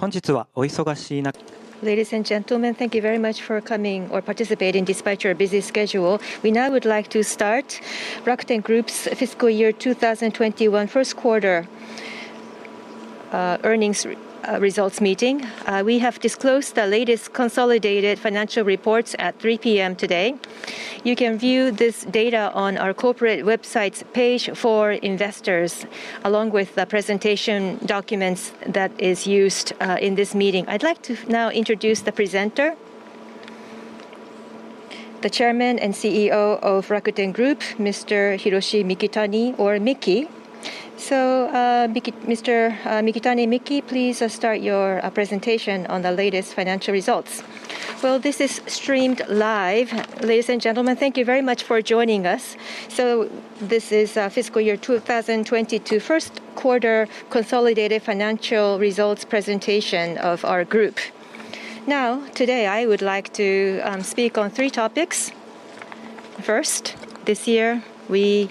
Ladies and gentlemen, thank you very much for coming or participating despite your busy schedule. We now would like to start Rakuten Group's Fiscal Year 2021 Q1 Earnings Results Meeting. We have disclosed the latest consolidated financial reports at 3:00 P.M. today. You can view this data on our corporate website's page for investors, along with the presentation documents that is used in this meeting. I'd like to now introduce the presenter, the Chairman and CEO of Rakuten Group, Mr. Hiroshi Mikitani, or Mickey. Mr. Mikitani, Mickey, please start your presentation on the latest financial results. Well, this is streamed live. Ladies and gentlemen, thank you very much for joining us. This is the Year 2022 Q1 Consolidated Financial Results Presentation of our group. Now, today, I would like to speak on three topics. First, this year, we,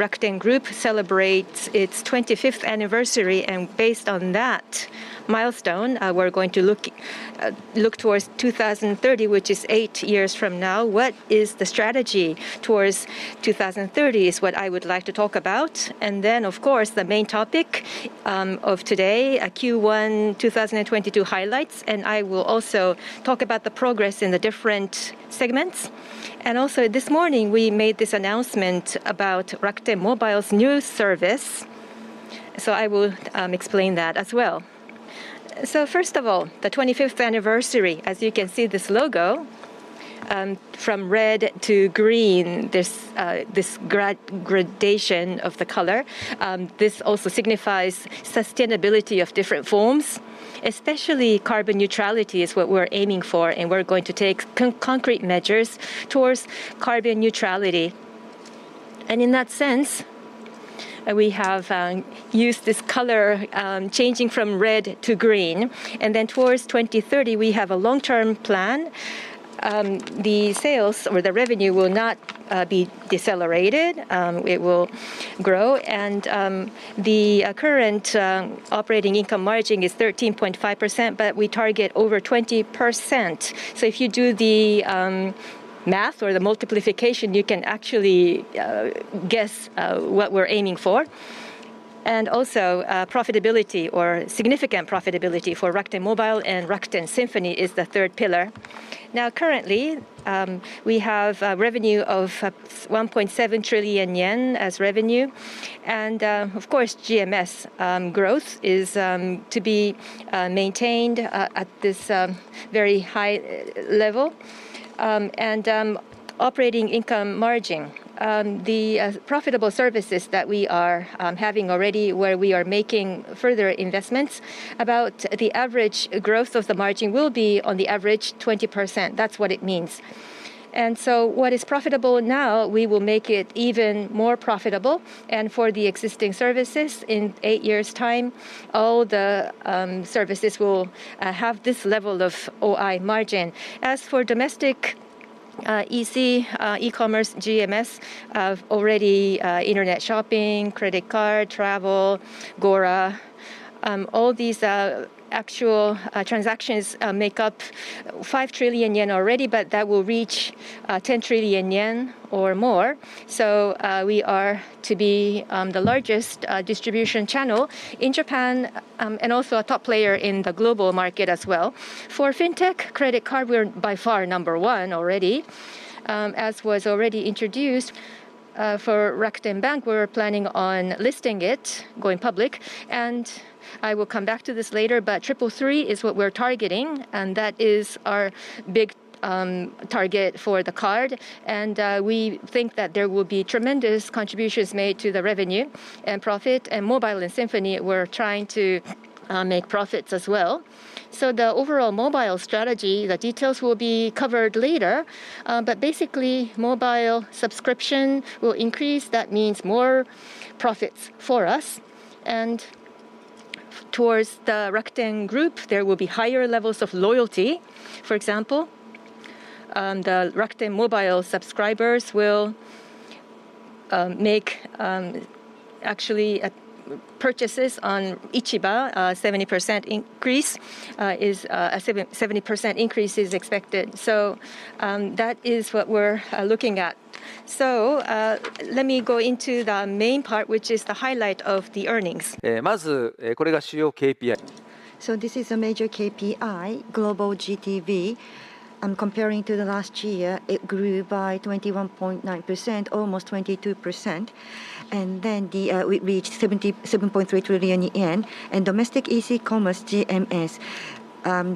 Rakuten Group, celebrates its 25th anniversary, and based on that milestone, we're going to look towards 2030, which is eight years from now. What is the strategy towards 2030 is what I would like to talk about. Then, of course, the main topic of today, Q1 2022 highlights, and I will also talk about the progress in the different segments. Also, this morning, we made this announcement about Rakuten Mobile's new service, so I will explain that as well. First of all, the 25th anniversary. As you can see, this logo, from red to green, this gradation of the color, this also signifies the sustainability of different forms, especially carbon neutrality, which is what we're aiming for, and we're going to take concrete measures towards carbon neutrality. In that sense, we have used this color, changing from red to green, and then, towards 2030, we have a long-term plan. The sales or the revenue will not be decelerated; it will grow, and the current operating income margin is 13.5%, but we target over 20%. If you do the math or the multiplication, you can actually guess what we're aiming for. Also, profitability or significant profitability for Rakuten Mobile and Rakuten Symphony is the third pillar. Now, currently, we have a revenue of 1.7 trillion yen as revenue, and of course, GMS growth is to be maintained at this very high level, and operating income margin. The profitable services that we are having already, where we are making further investments, about the average growth of the margin will be on average 20%. That's what it means. What is profitable now, we will make it even more profitable, and for the existing services in eight years' time, all the services will have this level of OI margin. As for domestic EC e-commerce GMS already includes internet shopping, credit card, travel, GORA; all these actual transactions make up 5 trillion yen already, but that will reach 10 trillion yen or more. We are to be the largest distribution channel in Japan, and also a top player in the global market as well. For fintech credit card, we're by far number one already. As was already introduced, for Rakuten Bank, we're planning on listing it, going public, and I will come back to this later, but Triple Three is what we're targeting, and that is our big target for the card. We think that there will be tremendous contributions made to the revenue and profit. Mobile and Symphony, we're trying to make profits as well. The overall mobile strategy, the details will be covered later, but basically, mobile subscription will increase. That means more profits for us. Towards the Rakuten Group, there will be higher levels of loyalty. For example, the Rakuten Mobile subscribers will make actually purchases on Ichiba, a 70% increase is expected. That is what we're looking at. Let me go into the main part, which is the highlight of the earnings. This is a major KPI, global GTV. Comparing to the last year, it grew by 21.9%, almost 22%, and then we reached 77.3 trillion yen. Domestic e-commerce GMS,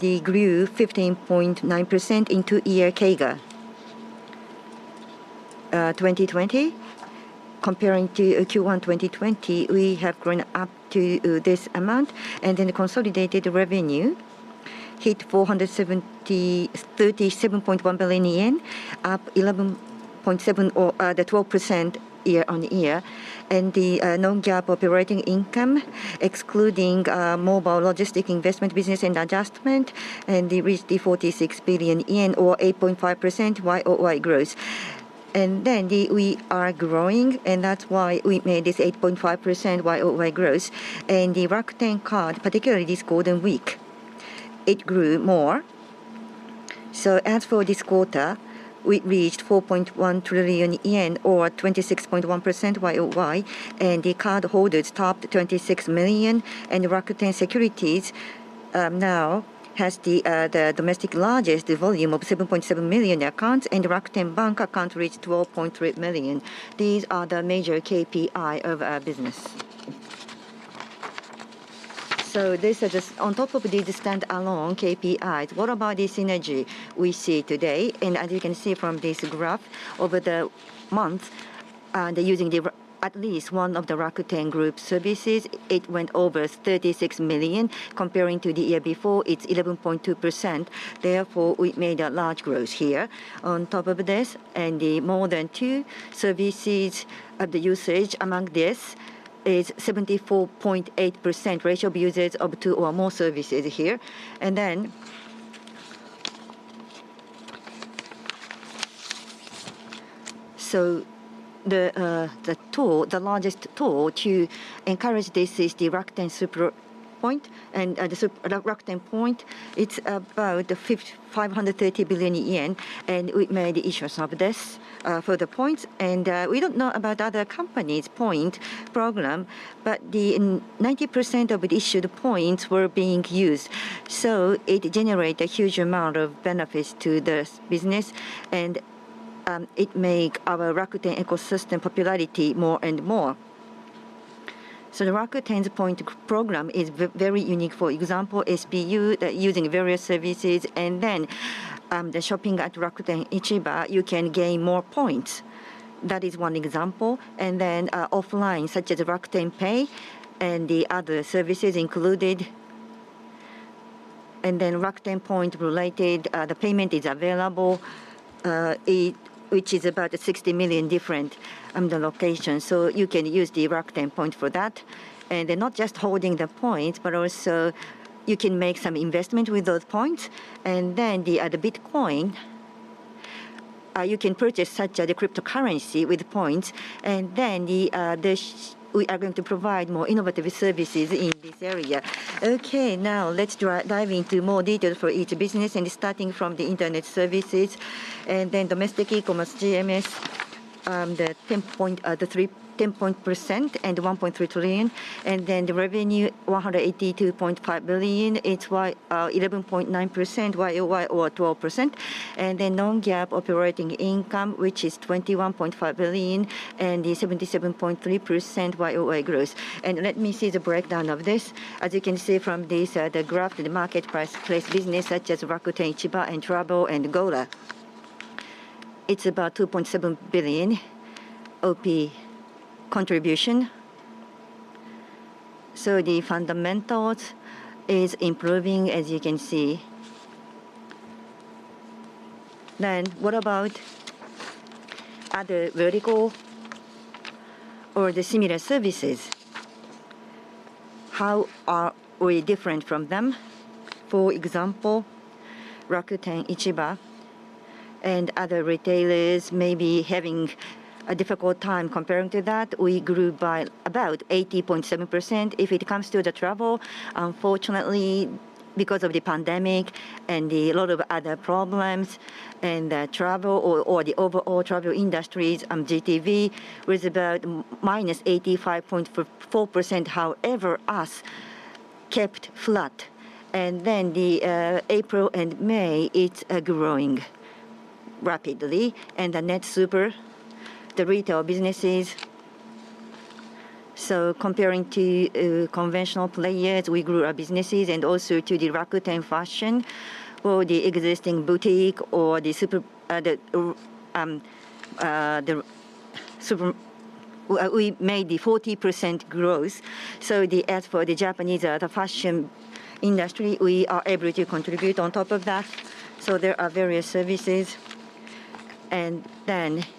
they grew 15.9% in two-year CAGR. 2020, comparing to Q1 2020, we have grown up to this amount. The consolidated revenue hit 437.1 billion yen, up 11.7% or 12% year-on-year. The non-GAAP operating income, excluding mobile logistics investment business and adjustment, reached 46 billion yen or 8.5% Y-o-Y growth. We are growing, and that's why we made this 8.5% Y-o-Y growth. The Rakuten Card, particularly this Golden Week. It grew more. As for this quarter, we reached 4.1 trillion yen, or 26.1% Y-o-Y, and the cardholders topped 26 million. Rakuten Securities now has the largest domestic volume of 7.7 million accounts, and Rakuten Bank accounts reached 12.3 million. These are the major KPI of our business. On top of these stand-alone KPIs, what about the synergy we see today? As you can see from this graph, over the month, the number of users using at least one of the Rakuten Group services, it went over 36 million. Compared to the year before, it's 11.2%. Therefore, we made a large growth here. On top of this, the usage of more than two services is 74.8%, the ratio of users of two or more services here. The largest tool to encourage this is the Rakuten Super Points and Rakuten Points. It's about 530 billion yen, and we made issuance of this for the points. We don't know about other companies' points program, but 90% of the issued points were being used. It generate a huge amount of benefits to this business, and it make our Rakuten ecosystem popularity more and more. The Rakuten's points program is very unique. For example, SPU, by using various services, the shopping at Rakuten Ichiba, you can gain more points. That is one example. Offline, such as Rakuten Pay and the other services included. Rakuten Points related, the payment is available, which is about 60 million different locations. You can use the Rakuten Points for that. Not just holding the points, but also you can make some investment with those points. With Bitcoin, you can purchase such a cryptocurrency with points. We are going to provide more innovative services in this area. Okay, now let's dive into more detail for each business, starting from the internet services. Domestic e-commerce GMS, 10.3% and 1.3 trillion. The revenue, 182.5 billion. It's 11.9% year-over-year, or 12%. Then non-GAAP operating income, which is 21.5 billion and is 77.3% Y-o-Y growth. Let me see the breakdown of this. As you can see from this, the graph, the marketplace business such as Rakuten Ichiba and Travel and GORA, it's about 2.7 billion OP contribution. The fundamentals is improving, as you can see. What about other vertical or the similar services? How are we different from them? For example, Rakuten Ichiba and other retailers may be having a difficult time. Comparing to that, we grew by about 80.7%. If it comes to the travel, unfortunately, because of the pandemic and a lot of other problems and, travel or the overall travel industries, GTV was about minus 85.4%. However, we kept flat. April and May, it's growing rapidly. The netsuper, the retail businesses. Comparing to conventional players, we grew our businesses, and also to the Rakuten Fashion or the existing boutique or the super. We made the 40% growth. As for the Japanese fashion industry, we are able to contribute on top of that. There are various services.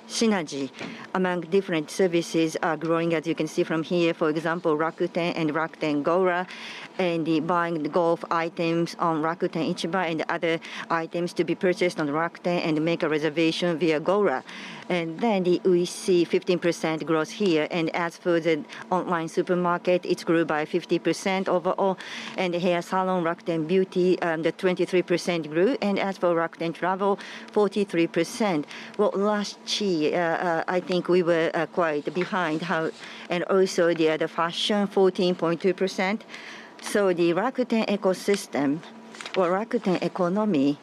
Synergy among different services are growing, as you can see from here. For example, Rakuten and Rakuten GORA, and buying the golf items on Rakuten Ichiba, and other items to be purchased on Rakuten, and make a reservation via GORA. We see 15% growth here. As for the online supermarket, it's grew by 50% overall. Hair salon, Rakuten Beauty, the 23% grew. As for Rakuten Travel, 43%. Well, last year, I think we were quite behind. Also Rakuten Fashion, 14.2%. The Rakuten ecosystem or Rakuten economy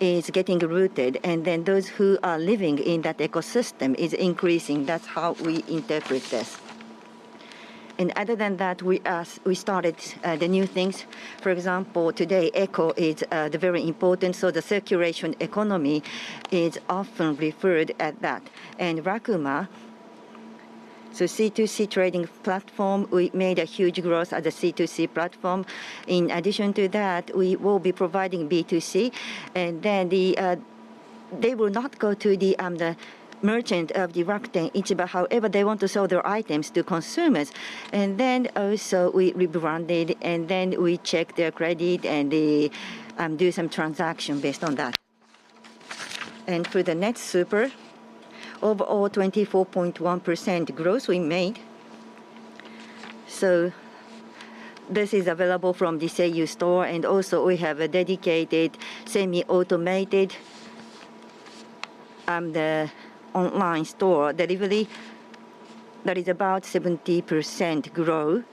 is getting rooted, and then those who are living in that ecosystem is increasing. That's how we interpret this. Other than that, we started the new things. For example, today eco is the very important, so the circular economy is often referred at that. Rakuten Rakuma, so C2C trading platform, we made a huge growth at the C2C platform. In addition to that, we will be providing B2C, and then they will not go to the merchant of the Rakuten Ichiba. However, they want to sell their items to consumers. Also we branded, and then we check their credit and do some transaction based on that. For the Netsuper, overall 24.1% growth we made. This is available from the Seiyu store, and also we have a dedicated semi-automated, the online store delivery that is about 70% growth.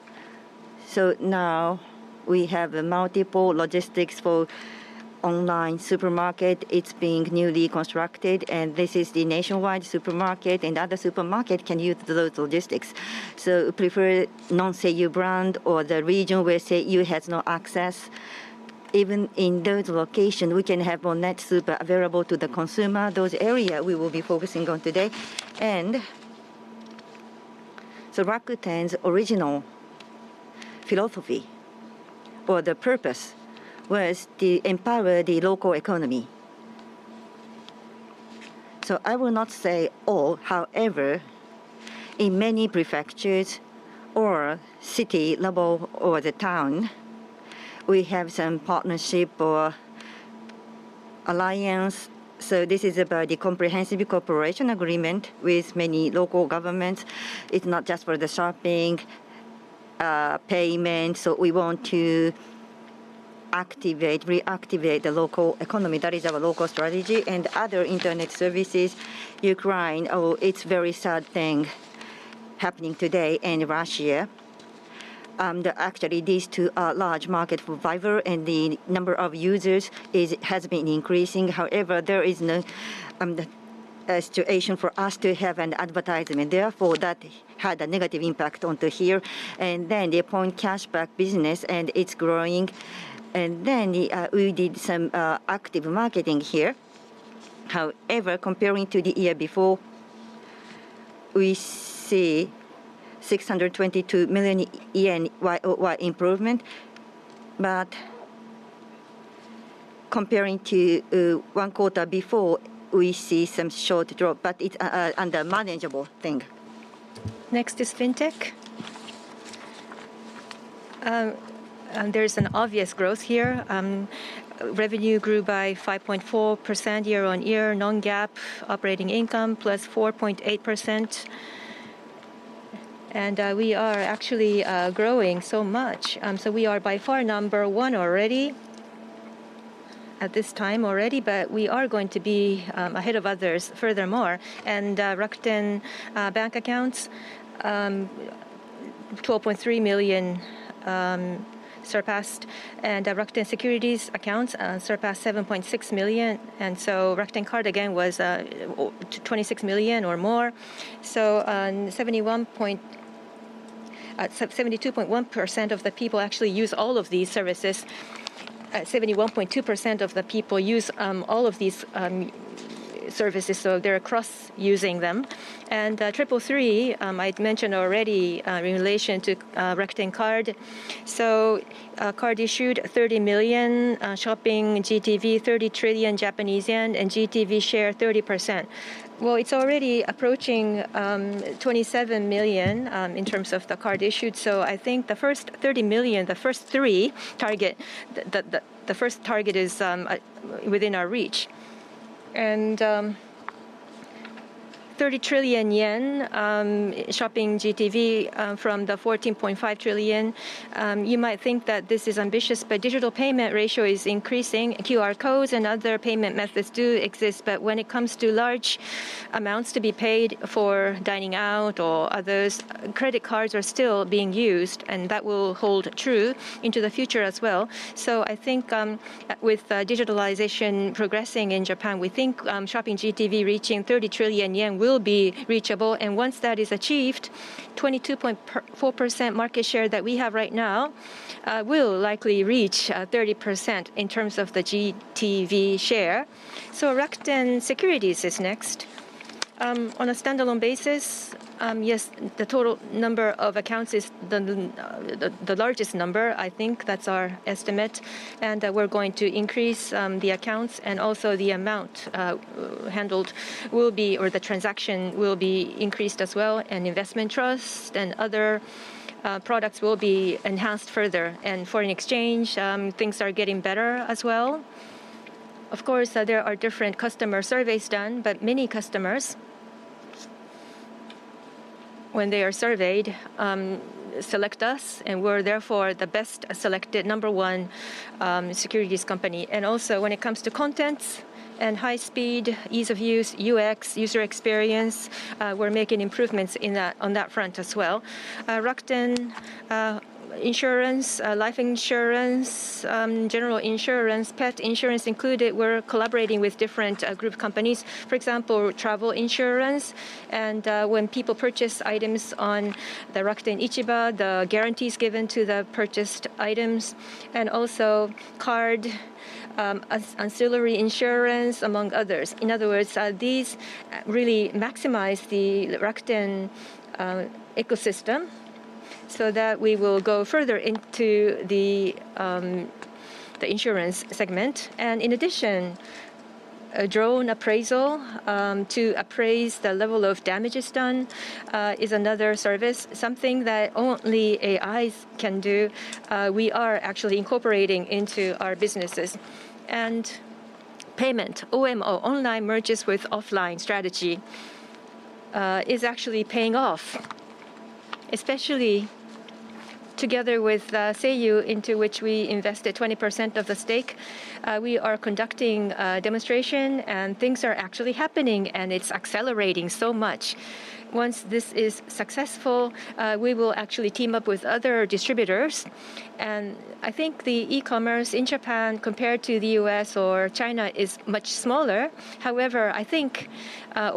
Now we have multiple logistics for online supermarket. It's being newly constructed, and this is the nationwide supermarket, and other supermarket can use those logistics. Prefer non-Seiyu brand or the region where Seiyu has no access. Even in those location, we can have our net super available to the consumer. Those area we will be focusing on today. Rakuten's original philosophy or the purpose was to empower the local economy. I will not say all, however, in many prefectures or city level or the town, we have some partnership or alliance. This is about a comprehensive cooperation agreement with many local governments. It's not just for the shopping, payment. We want to reactivate the local economy. That is our local strategy. Other internet services, Ukraine, it's very sad thing happening today in Russia. Actually these two are large market provider and the number of users has been increasing. However, there is no situation for us to have an advertisement. Therefore, that had a negative impact onto here. The point cashback business, and it's growing. We did some active marketing here. However, comparing to the year before, we see JPY 622 million year-over-year improvement. Comparing to one quarter before, we see some short drop, but it's under manageable thing. Next is Fintech. There's an obvious growth here. Revenue grew by 5.4% year-over-year, non-GAAP operating income plus 4.8%. We are actually growing so much. We are by far number one already at this time already, but we are going to be ahead of others furthermore. Rakuten Bank accounts 12.3 million surpassed. Rakuten Securities accounts surpassed 7.6 million. Rakuten Card again was 26 million or more. 71.2% of the people actually use all of these services. 71.2% of the people use all of these services, so they're cross-using them. Triple Three I'd mentioned already in relation to Rakuten Card. Card issued 30 million, shopping GTV 30 trillion Japanese yen, and GTV share 30%. It's already approaching 27 million in terms of the card issued. I think the first 30 million, the first target is within our reach. Thirty trillion JPY shopping GTV from the 14.5 trillion JPY you might think that this is ambitious, but digital payment ratio is increasing. QR codes and other payment methods do exist, but when it comes to large amounts to be paid for dining out or others, credit cards are still being used, and that will hold true into the future as well. I think with digitalization progressing in Japan, we think shopping GTV reaching 30 trillion yen will be reachable. Once that is achieved, 22.4% market share that we have right now will likely reach 30% in terms of the GTV share. Rakuten Securities is next. On a standalone basis, yes, the total number of accounts is the largest number. I think that's our estimate. We're going to increase the accounts and also the amount handled will be, or the transaction will be increased as well. Investment trust and other products will be enhanced further. Foreign exchange things are getting better as well. Of course, there are different customer surveys done, but many customers, when they are surveyed, select us, and we're therefore the best selected number one securities company. When it comes to contents and high speed, ease of use, UX, user experience, we're making improvements in that, on that front as well. Rakuten Insurance, life insurance, general insurance, pet insurance included, we're collaborating with different group companies. For example, travel insurance, and when people purchase items on the Rakuten Ichiba, the guarantees given to the purchased items, and also card ancillary insurance, among others. In other words, these really maximize the Rakuten ecosystem so that we will go further into the insurance segment. In addition, a drone appraisal to appraise the level of damages done is another service. Something that only AIs can do, we are actually incorporating into our businesses. Payment, OMO, online merges with offline strategy, is actually paying off, especially together with Seiyu, into which we invested 20% of the stake. We are conducting a demonstration and things are actually happening, and it's accelerating so much. Once this is successful, we will actually team up with other distributors, and I think the e-commerce in Japan compared to the US or China is much smaller. However, I think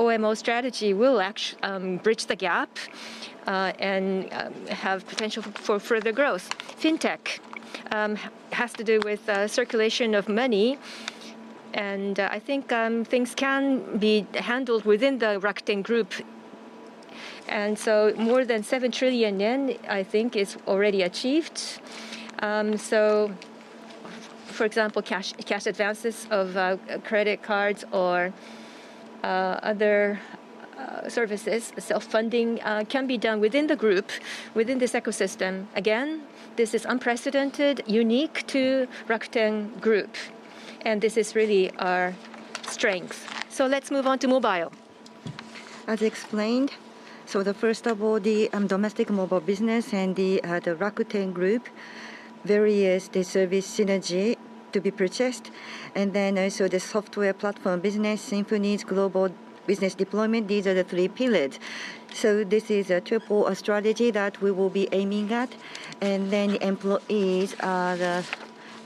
OMO strategy will bridge the gap, and have potential for further growth. Fintech has to do with circulation of money, and I think things can be handled within the Rakuten Group. More than 7 trillion yen, I think, is already achieved. For example, cash advances of credit cards or other services, self-funding can be done within the group, within this ecosystem. Again, this is unprecedented, unique to Rakuten Group, and this is really our strength. Let's move on to mobile. As explained, the first of all, the domestic mobile business and the Rakuten Group's various diverse service synergies to be pursued, and then also the software platform business, Rakuten Symphony's global business deployment, these are the three pillars. This is a triple strategy that we will be aiming at. Then the employees'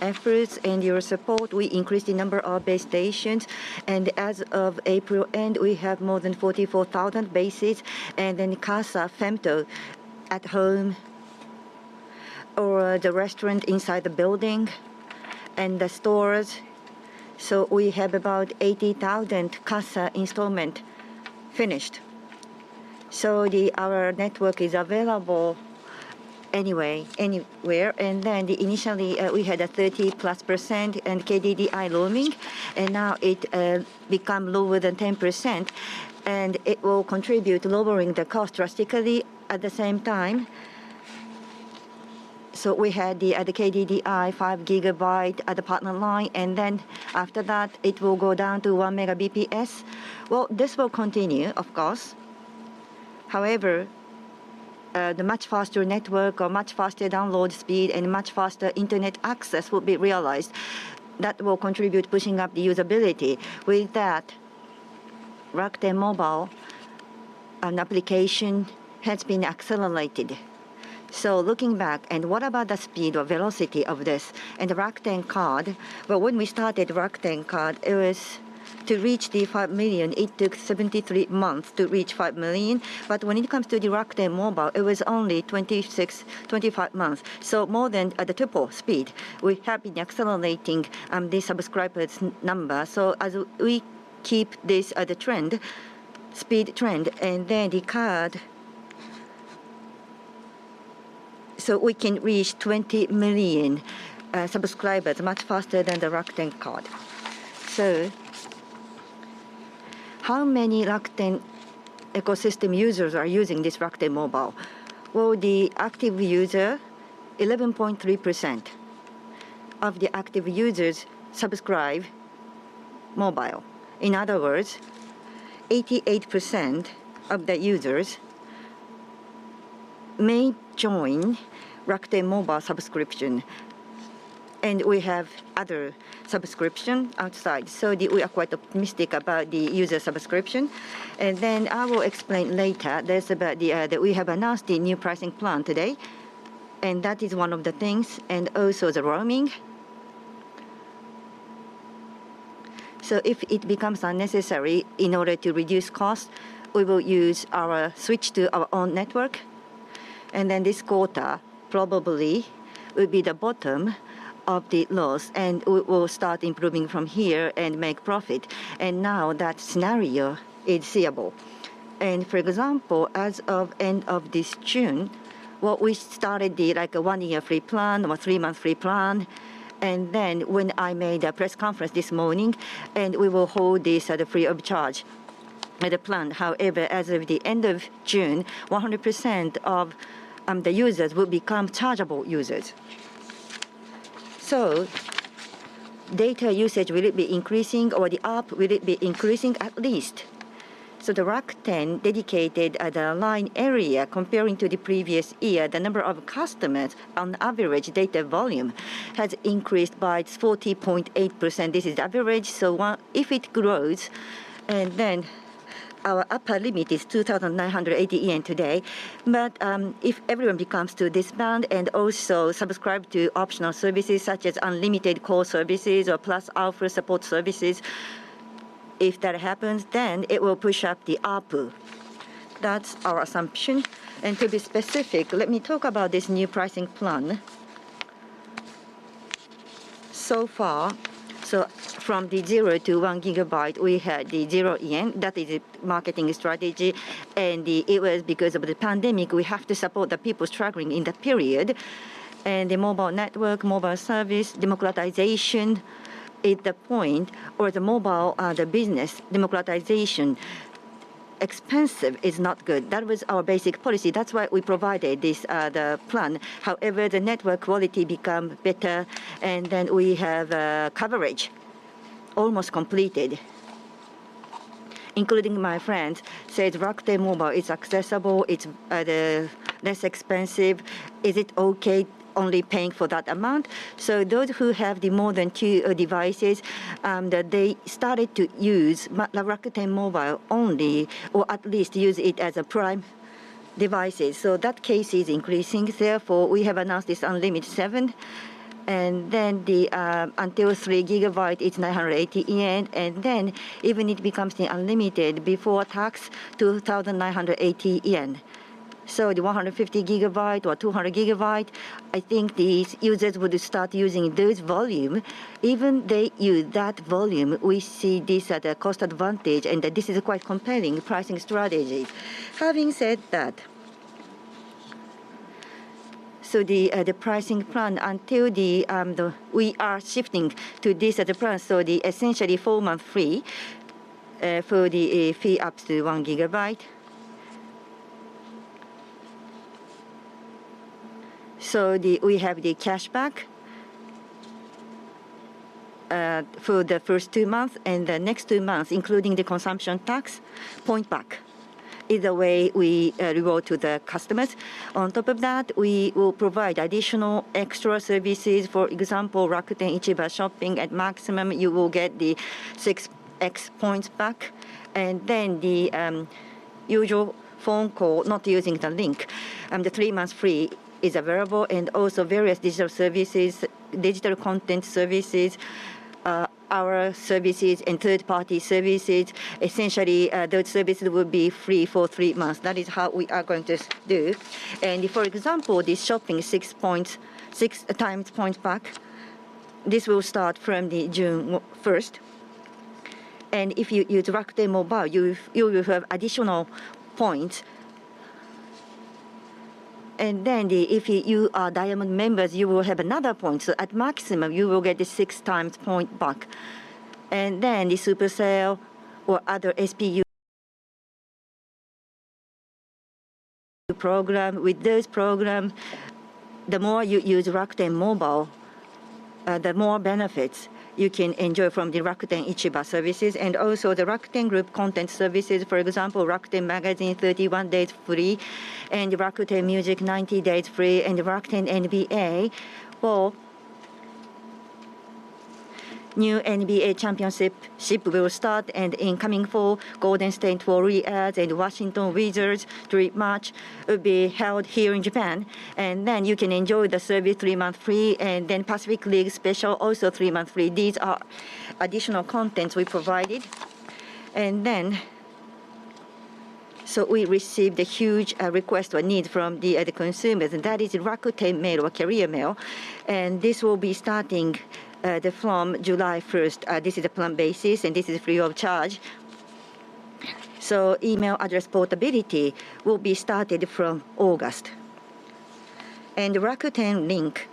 efforts and your support, we increased the number of base stations, and as of April end, we have more than 44,000 bases. Then Casa femto at home or the restaurant inside the building and the stores, we have about 80,000 Casa installations finished. Our network is available anyway, anywhere, then initially, we had a 30%+ in KDDI roaming, and now it become lower than 10%, and it will contribute lowering the cost drastically at the same time. We had the KDDI 5 GB partner line, and then after that, it will go down to 1 Mbps. Well, this will continue, of course. However, the much faster network or much faster download speed and much faster internet access will be realized. That will contribute pushing up the usability. With that, Rakuten Mobile, an application has been accelerated. Looking back, what about the speed or velocity of this? The Rakuten Card, well, when we started Rakuten Card, it was to reach the five million. It took 73 months to reach five million. When it comes to the Rakuten Mobile, it was only 26, 25 months. More than at the triple speed, we have been accelerating the subscriber number. As we keep this trend, speed trend, and then the Card, we can reach 20 million subscribers much faster than the Rakuten Card. How many Rakuten ecosystem users are using this Rakuten Mobile? Well, 11.3% of the active users subscribe to Mobile. In other words, 88% of the users may join Rakuten Mobile subscription, and we have other subscriptions outside. We are quite optimistic about the user subscription. I will explain later this about the that we have announced a new pricing plan today, and that is one of the things, and also the roaming. If it becomes unnecessary in order to reduce cost, we will switch to our own network, and then this quarter probably will be the bottom of the loss, and we will start improving from here and make profit. Now that scenario is seeable. For example, as of end of June, what we started, like a one-year free plan or three-month free plan, and then when I made a press conference this morning, and we will hold this at a free of charge the plan. However, as of the end of June, 100% of the users will become chargeable users. Data usage, will it be increasing or the ARPU, will it be increasing at least? The Rakuten dedicated, the line area compared to the previous year, the number of customers on average data volume has increased by 40.8%. This is average, if it grows, and then our upper limit is 2,980 yen today. But if everyone becomes to this band and also subscribe to optional services such as unlimited call services or plus alpha support services, if that happens, then it will push up the ARPU. That's our assumption. To be specific, let me talk about this new pricing plan. So far, from the 0-1 GB, we had the 0 yen. That is a marketing strategy. It was because of the pandemic, we have to support the people struggling in that period. The mobile network, mobile service, democratization is the point or the mobile, the business democratization. Expensive is not good. That was our basic policy. That's why we provided this, the plan. However, the network quality become better, and then we have coverage almost completed, including, my friends said, Rakuten Mobile is accessible, it's the least expensive. Is it okay only paying for that amount? Those who have more than two devices, that they started to use mainly Rakuten Mobile only, or at least use it as primary devices. That case is increasing, therefore, we have announced this UN-LIMIT VII, and then the until 3 gigabyte it's 980 yen, and then even it becomes the unlimited before tax 2,980 yen. The 150 gigabyte or 200 gigabyte, I think these users would start using those volume. Even they use that volume, we see this at a cost advantage and that this is quite compelling pricing strategy. Having said that. The pricing plan until the. We are shifting to this other plan, so the essentially four month free, for the fee up to 1 gigabyte. We have the cashback, for the first two month, and the next two months, including the consumption tax point back, either way we reward to the customers. On top of that, we will provide additional extra services, for example, Rakuten Ichiba shopping at maximum, you will get the 6x points back. The usual phone call, not using the link, the three months free is available, and also various digital services, digital content services, our services and third party services. Essentially, those services will be free for three months. That is how we are going to do. For example, the shopping six points, six times points back, this will start from June 1st. If you use Rakuten Mobile, you will have additional points. If you are diamond members, you will have another points. At maximum you will get the six times point back. The super sale or other SPU program. With those program, the more you use Rakuten Mobile, the more benefits you can enjoy from the Rakuten Ichiba services and also the Rakuten Group content services, for example, Rakuten Magazine, 31 days free, and Rakuten Music, 90 days free, and Rakuten NBA. Well, new NBA championship will start and in coming fall, Golden State will return, and Washington Wizards three match will be held here in Japan. You can enjoy the NBA Rakuten three month free, and then Pacific League Special, also three month free. These are additional contents we provided. We received a huge request or need from the consumers, and that is Rakuten Mail or Carrier Mail, and this will be starting from July 1st. This is a plan basis, and this is free of charge. Email address portability will be started from August. Rakuten Link,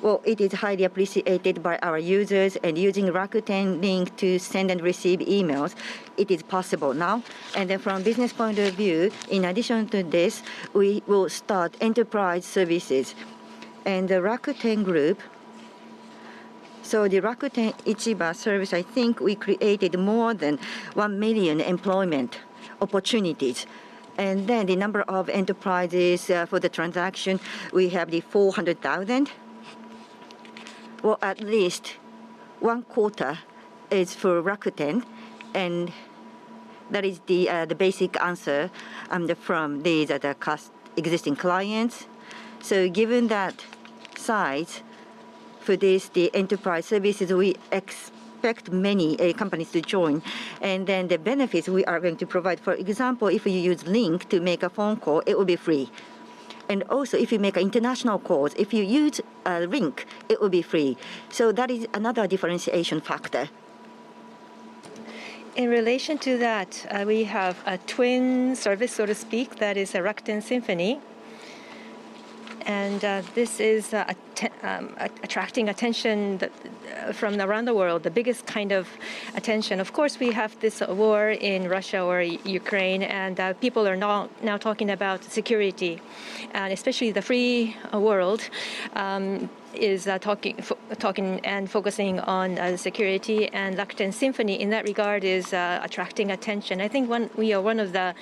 well, it is highly appreciated by our users, and using Rakuten Link to send and receive emails, it is possible now. From business point of view, in addition to this, we will start enterprise services. The Rakuten Group. The Rakuten Ichiba service, I think we created more than 1 million employment opportunities. The number of enterprises for the transaction, we have the 400,000, or at least one quarter is for Rakuten, and that is the basic answer from these other existing clients. Given that size for this, the enterprise services, we expect many companies to join, and then the benefits we are going to provide, for example, if you use Link to make a phone call, it will be free. Also, if you make international calls, if you use Link, it will be free. That is another differentiation factor. In relation to that, we have a twin service, so to speak, that is Rakuten Symphony. This is attracting attention from around the world, the biggest kind of attention. Of course, we have this war in Russia or Ukraine, and people are now talking about security. Especially the free world is talking and focusing on security, and Rakuten Symphony in that regard is attracting attention. I think we are one of the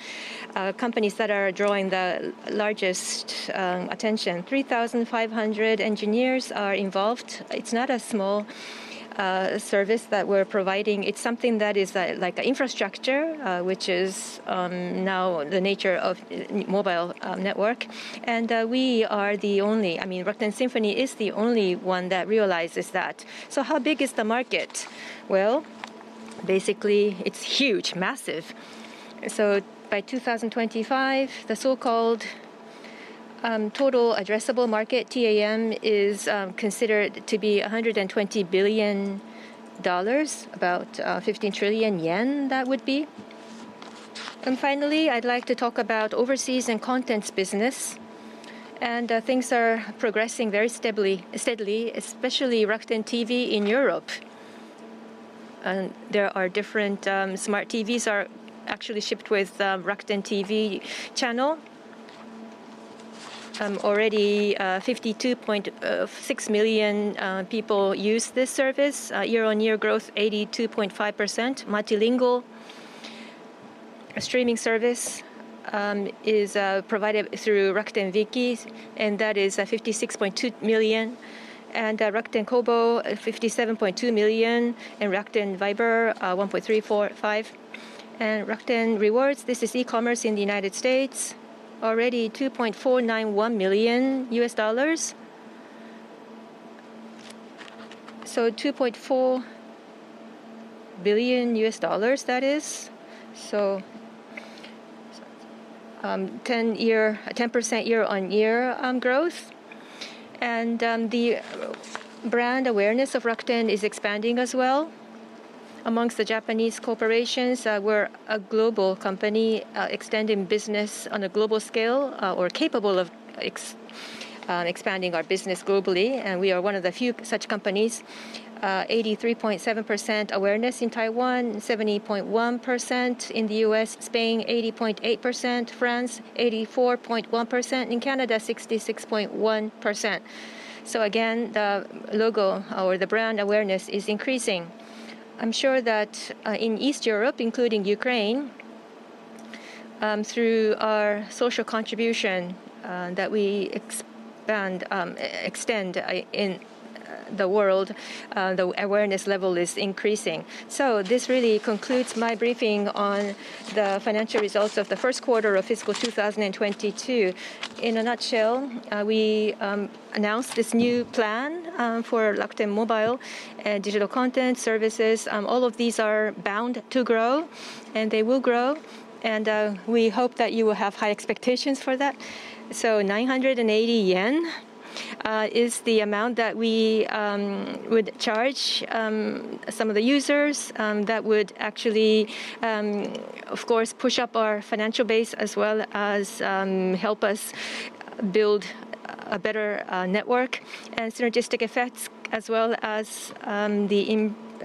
companies that are drawing the largest attention. 3,500 engineers are involved. It's not a small service that we're providing. It's something that is like a infrastructure, which is now the nature of mobile network. We are the only, I mean, Rakuten Symphony is the only one that realizes that. How big is the market? Well, basically, it's huge, massive. By 2025, the so-called total addressable market, TAM, is considered to be $120 billion, about 15 trillion yen that would be. Finally, I'd like to talk about overseas and contents business. Things are progressing very steadily, especially Rakuten TV in Europe. Different smart TVs are actually shipped with Rakuten TV channel. Already, 52.6 million people use this service. Year-on-year growth 82.5%. Multilingual streaming service is provided through Rakuten Viki, and that is 56.2 million. Rakuten Kobo, 57.2 million. Rakuten Viber, 1.345. Rakuten Rewards, this is an e-commerce in the United States, already $2.491 million. $2.4 billion, that is. 10% year-on-year growth. The brand awareness of Rakuten is expanding as well among Japanese Corporations. We're a global company, extending business on a global scale, or capable of expanding our business globally, and we are one of the few such companies. 83.7% awareness in Taiwan, 70.1% in the U.S., Spain 80.8%, France 84.1%, in Canada 66.1%. Again, the logo or the brand awareness is increasing. I'm sure that in East Europe, including Ukraine, through our social contribution that we extend in the world, the awareness level is increasing. This really concludes my briefing on the Financial Results of Q1 Fiscal 2022. In a nutshell, we announced this new plan for Rakuten Mobile and digital content services. All of these are bound to grow, and they will grow, and we hope that you will have high expectations for that. 980 yen is the amount that we would charge some of the users that would actually, of course, push up our financial base as well as help us build a better network. Synergistic effects as well as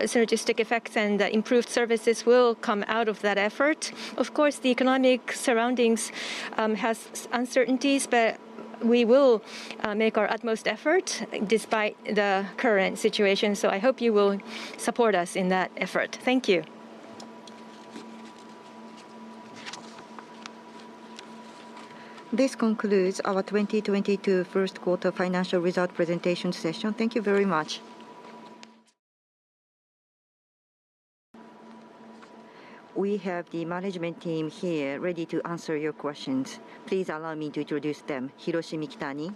synergistic effects and improved services will come out of that effort. Of course, the economic surroundings has uncertainties, but we will make our utmost effort despite the current situation. I hope you will support us in that effort. Thank you. This concludes our 2022 Q1 Financial Result Presentation Session. Thank you very much. We have the management team here ready to answer your questions. Please allow me to introduce them. Hiroshi Mikitani,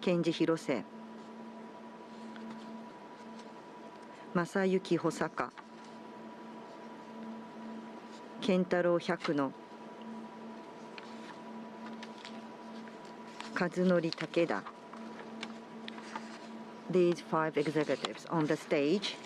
Kenji Hirose, Masayuki Hosaka, Kentaro Hyakuno, Kazunori Takeda. These five executives on the stage.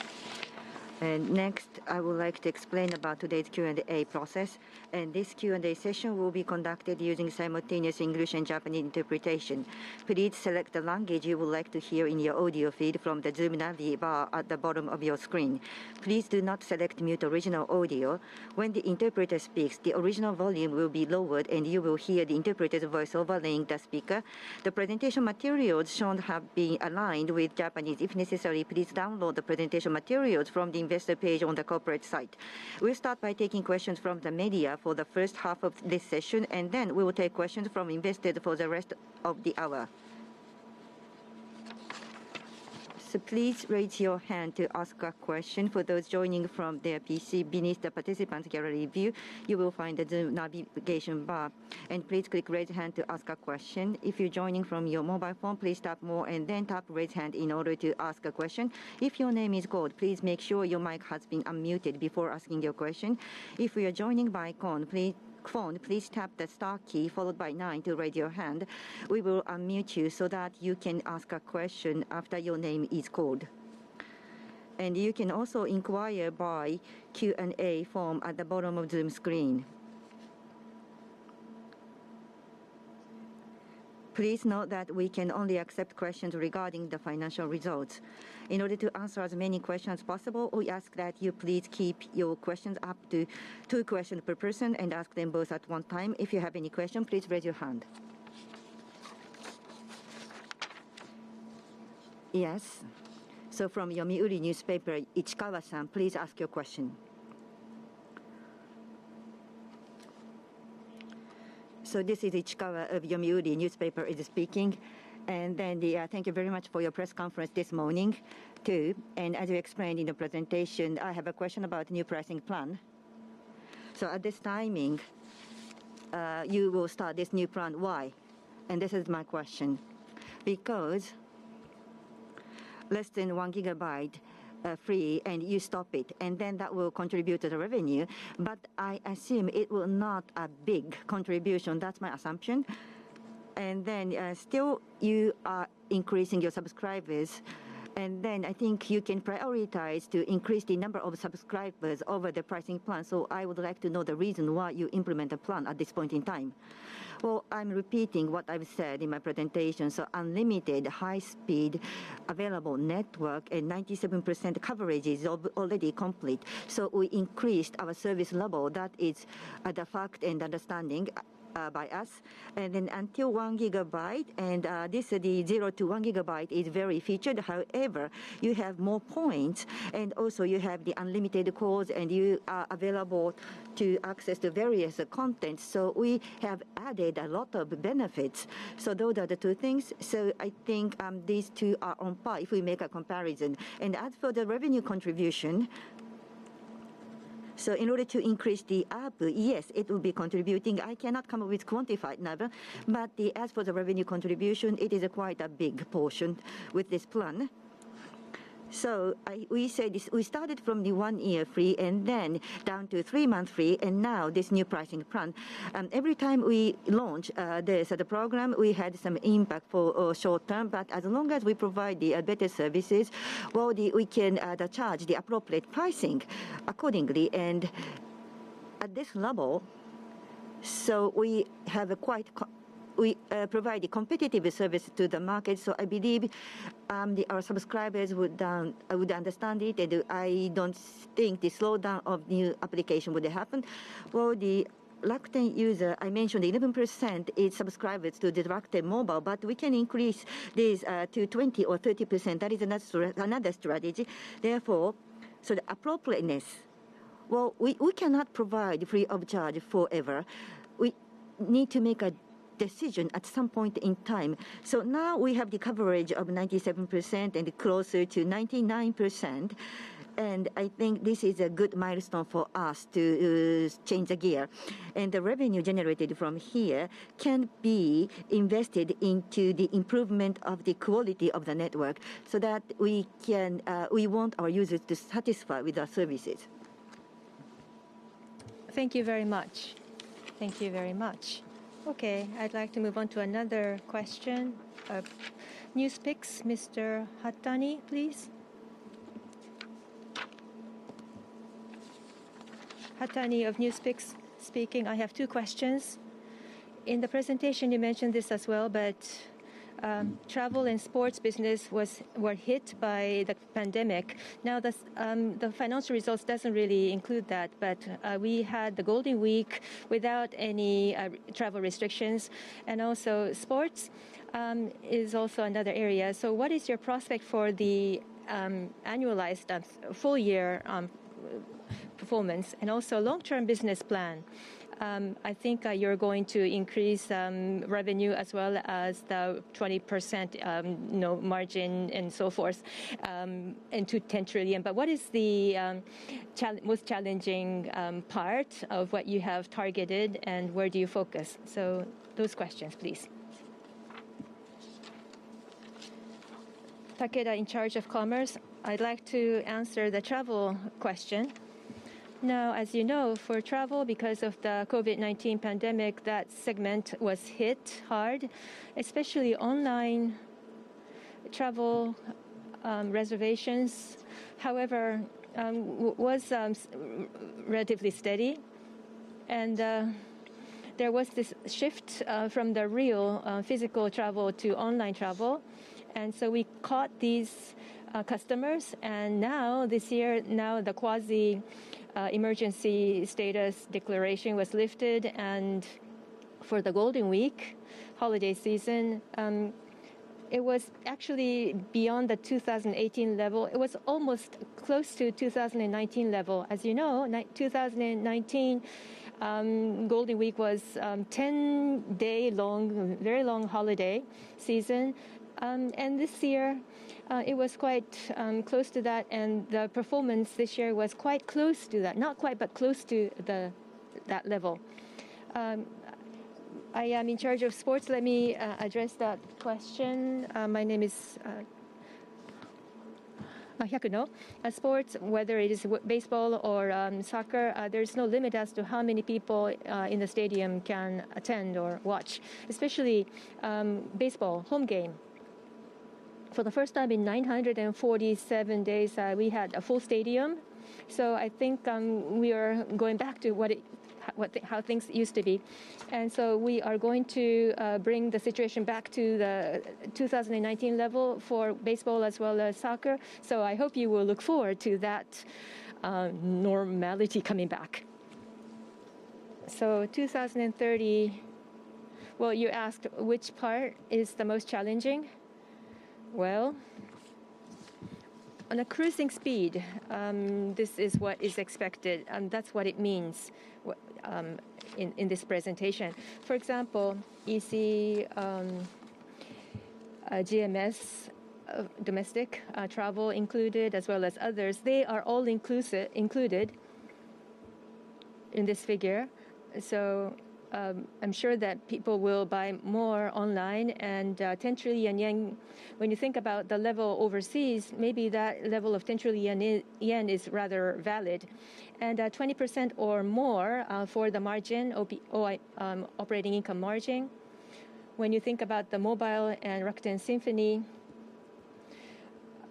Next, I would like to explain about today's Q&A process. This Q&A session will be conducted using simultaneous English and Japanese interpretation. Please select the language you would like to hear in your audio feed from the Zoom nav bar at the bottom of your screen. Please do not select mute original audio. When the interpreter speaks, the original volume will be lowered, and you will hear the interpreter's voice overlaying the speaker. The presentation materials shown have been aligned with Japanese. If necessary, please download the presentation materials from the investor page on the corporate site. We'll start by taking questions from the media for the first half of this session, and then we will take questions from investors for the rest of the hour. Please raise your hand to ask a question. For those joining from their PC, beneath the participant gallery view, you will find the Zoom navigation bar, and please click raise hand to ask a question. If you're joining from your mobile phone, please tap More and then tap Raise Hand in order to ask a question. If your name is called, please make sure your mic has been unmuted before asking your question. If you are joining by phone, please tap the star key followed by nine to raise your hand. We will unmute you so that you can ask a question after your name is called. You can also inquire by Q&A form at the bottom of Zoom screen. Please note that we can only accept questions regarding the financial results. In order to answer as many questions as possible, we ask that you please keep your questions up to two questions per person and ask them both at one time. If you have any question, please raise your hand. Yes. From Yomiuri Shimbun, Ichikawa-san, please ask your question. This is Ichikawa of Yomiuri Shimbun is speaking. Thank you very much for your press conference this morning, too. As you explained in the presentation, I have a question about new pricing plan. At this timing, you will start this new plan. Why? This is my question. Because less than one gigabyte free, and you stop it, and then that will contribute to the revenue. I assume it will not be a big contribution. That's my assumption. Still you are increasing your subscribers, and then I think you can prioritize to increase the number of subscribers over the pricing plan. I would like to know the reason why you implement the plan at this point in time. I'm repeating what I've said in my presentation. Unlimited high speed available network and 97% coverage is already complete. We increased our service level. That is the fact and understanding by us. Until 1 gigabyte, and this is the 0-1 gigabyte is very featured. However, you have more points, and also you have the unlimited calls, and you are available to access the various contents. We have added a lot of benefits. Those are the two things. I think these two are on par if we make a comparison. As for the revenue contribution, in order to increase the ARPU, yes, it will be contributing. I cannot come up with quantified number, but as for the revenue contribution, it is quite a big portion with this plan. We say this, we started from the one year free and then down to three month free, and now this new pricing plan. Every time we launch this program, we had some impact for short term. As long as we provide better services, we can charge the appropriate pricing accordingly. At this level, we provide a competitive service to the market. I believe our subscribers would understand it, and I don't think the slowdown of new application would happen. For the Rakuten user, I mentioned 11% is subscribers to the Rakuten Mobile, but we can increase this to 20% or 30%. That is another strategy. The appropriateness, well, we cannot provide free of charge forever. We need to make a decision at some point in time. Now we have the coverage of 97% and closer to 99%, and I think this is a good milestone for us to change the gear. The revenue generated from here can be invested into the improvement of the quality of the network so that we want our users to satisfy with our services. Thank you very much. Okay, I'd like to move on to another question of NewsPicks, Mr. Hatani, please. Hatani of NewsPicks speaking. I have two questions. In the presentation, you mentioned this as well, but travel and sports business were hit by the pandemic. Now, the financial results doesn't really include that, but we had the Golden Week without any travel restrictions, and also sports is also another area. What is your prospect for the annualized full year performance and also long-term business plan? I think you're going to increase revenue as well as the 20% you know margin and so forth into 10 trillion. But what is the most challenging part of what you have targeted, and where do you focus? Those questions, please. Takeda in charge of commerce. I'd like to answer the travel question. Now, as you know, for travel, because of the COVID-19 pandemic, that segment was hit hard, especially online travel reservations. However, was relatively steady. There was this shift from the real physical travel to online travel. We caught these customers. Now this year, the quasi-emergency status declaration was lifted, and for the Golden Week holiday season, it was actually beyond the 2018 level. It was almost close to 2019 level. As you know, 2019 Golden Week was 10-day long, very long holiday season. This year, it was quite close to that, and the performance this year was quite close to that. Not quite, but close to that level. I am in charge of sports. Let me address that question. My name is Hyakuno. Sports, whether it is baseball or soccer, there's no limit as to how many people in the stadium can attend or watch, especially baseball home game. For the first time in 947 days, we had a full stadium. I think we are going back to what it was, how things used to be. We are going to bring the situation back to the 2019 level for baseball as well as soccer. I hope you will look forward to that normality coming back. 2030, well, you asked which part is the most challenging. Well, at cruising speed, this is what is expected, and that's what it means in this presentation. For example, you see, GMS, domestic, travel included as well as others. They are all included in this figure. I'm sure that people will buy more online, and 10 trillion yen, when you think about the level overseas, maybe that level of 10 trillion yen is rather valid. Twenty percent or more for the margin, operating income margin. When you think about the mobile and Rakuten Symphony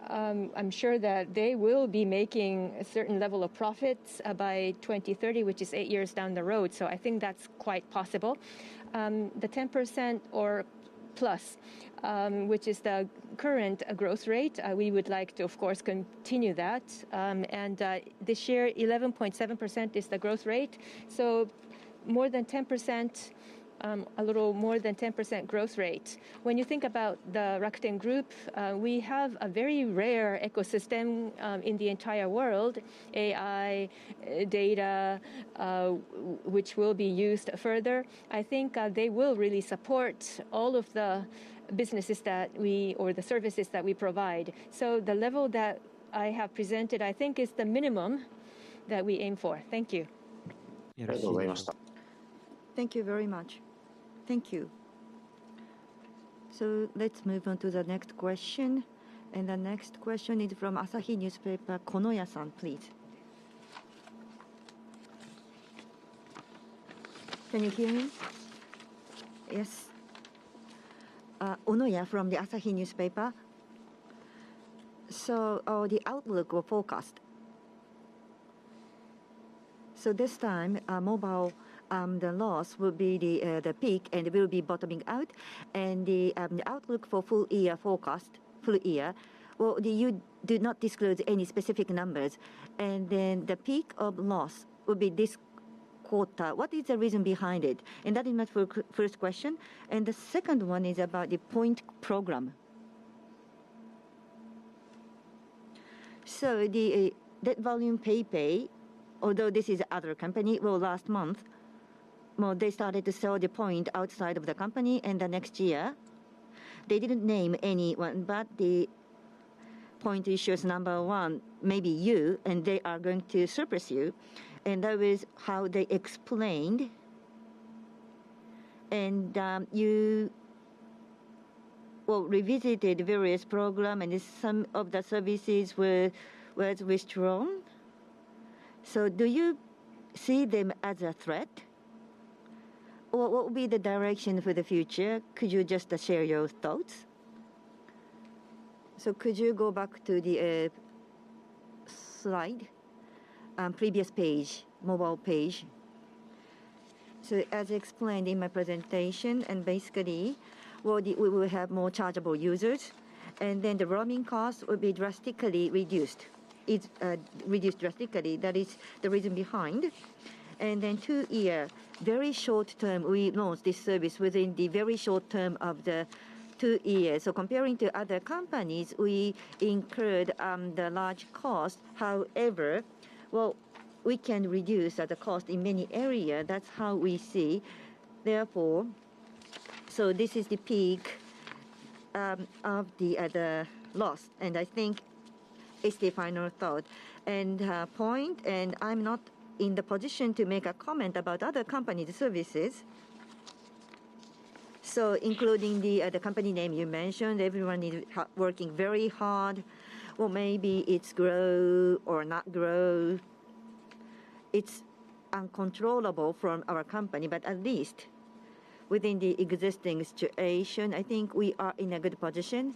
I'm sure that they will be making a certain level of profits by 2030, which is 8 years down the road. I think that's quite possible. The 10% or plus, which is the current growth rate, we would like to, of course, continue that. This year 11.7% is the growth rate, so more than 10%, a little more than 10% growth rate. When you think about the Rakuten Group, we have a very rare ecosystem in the entire world, AI, data, which will be used further. I think they will really support all of the businesses that we, or the services that we provide. The level that I have presented, I think is the minimum that we aim for. Thank you. Thank you very much. Thank you. Let's move on to the next question. The next question is from Asahi Shimbun, Konoya-san, please. Can you hear me? Yes. Konoya from the Asahi Shimbun. The outlook or forecast. This time, mobile, the loss will be the peak and it will be bottoming out. The outlook for full year forecast, full year, well, you did not disclose any specific numbers, and then the peak of loss will be this quarter. What is the reason behind it? That is my first question. The second one is about the point program. The volume PayPay, although this is other company, well, last month, well, they started to sell the point outside of the company, and the next year they didn't name anyone, but the point issuer is number one, maybe you, and they are going to surpass you, and that was how they explained. You well revisited various programs and some of the services were withdrawn. Do you see them as a threat? What would be the direction for the future? Could you just share your thoughts? Could you go back to the slide, previous page, mobile page. As explained in my presentation, and basically, well, we will have more chargeable users, and then the roaming cost will be drastically reduced. It's reduced drastically. That is the reason behind. Two-year, very short term, we launched this service within the very short term of the two years. Comparing to other companies, we incurred the large cost. However, we can reduce the cost in many areas. That's how we see. This is the peak of the loss, and I think it's the final loss. I'm not in the position to make a comment about other companies' services. Including the company name you mentioned, everyone is hard-working very hard. Maybe it's grow or not grow. It's uncontrollable from our company, but at least within the existing situation, I think we are in a good position.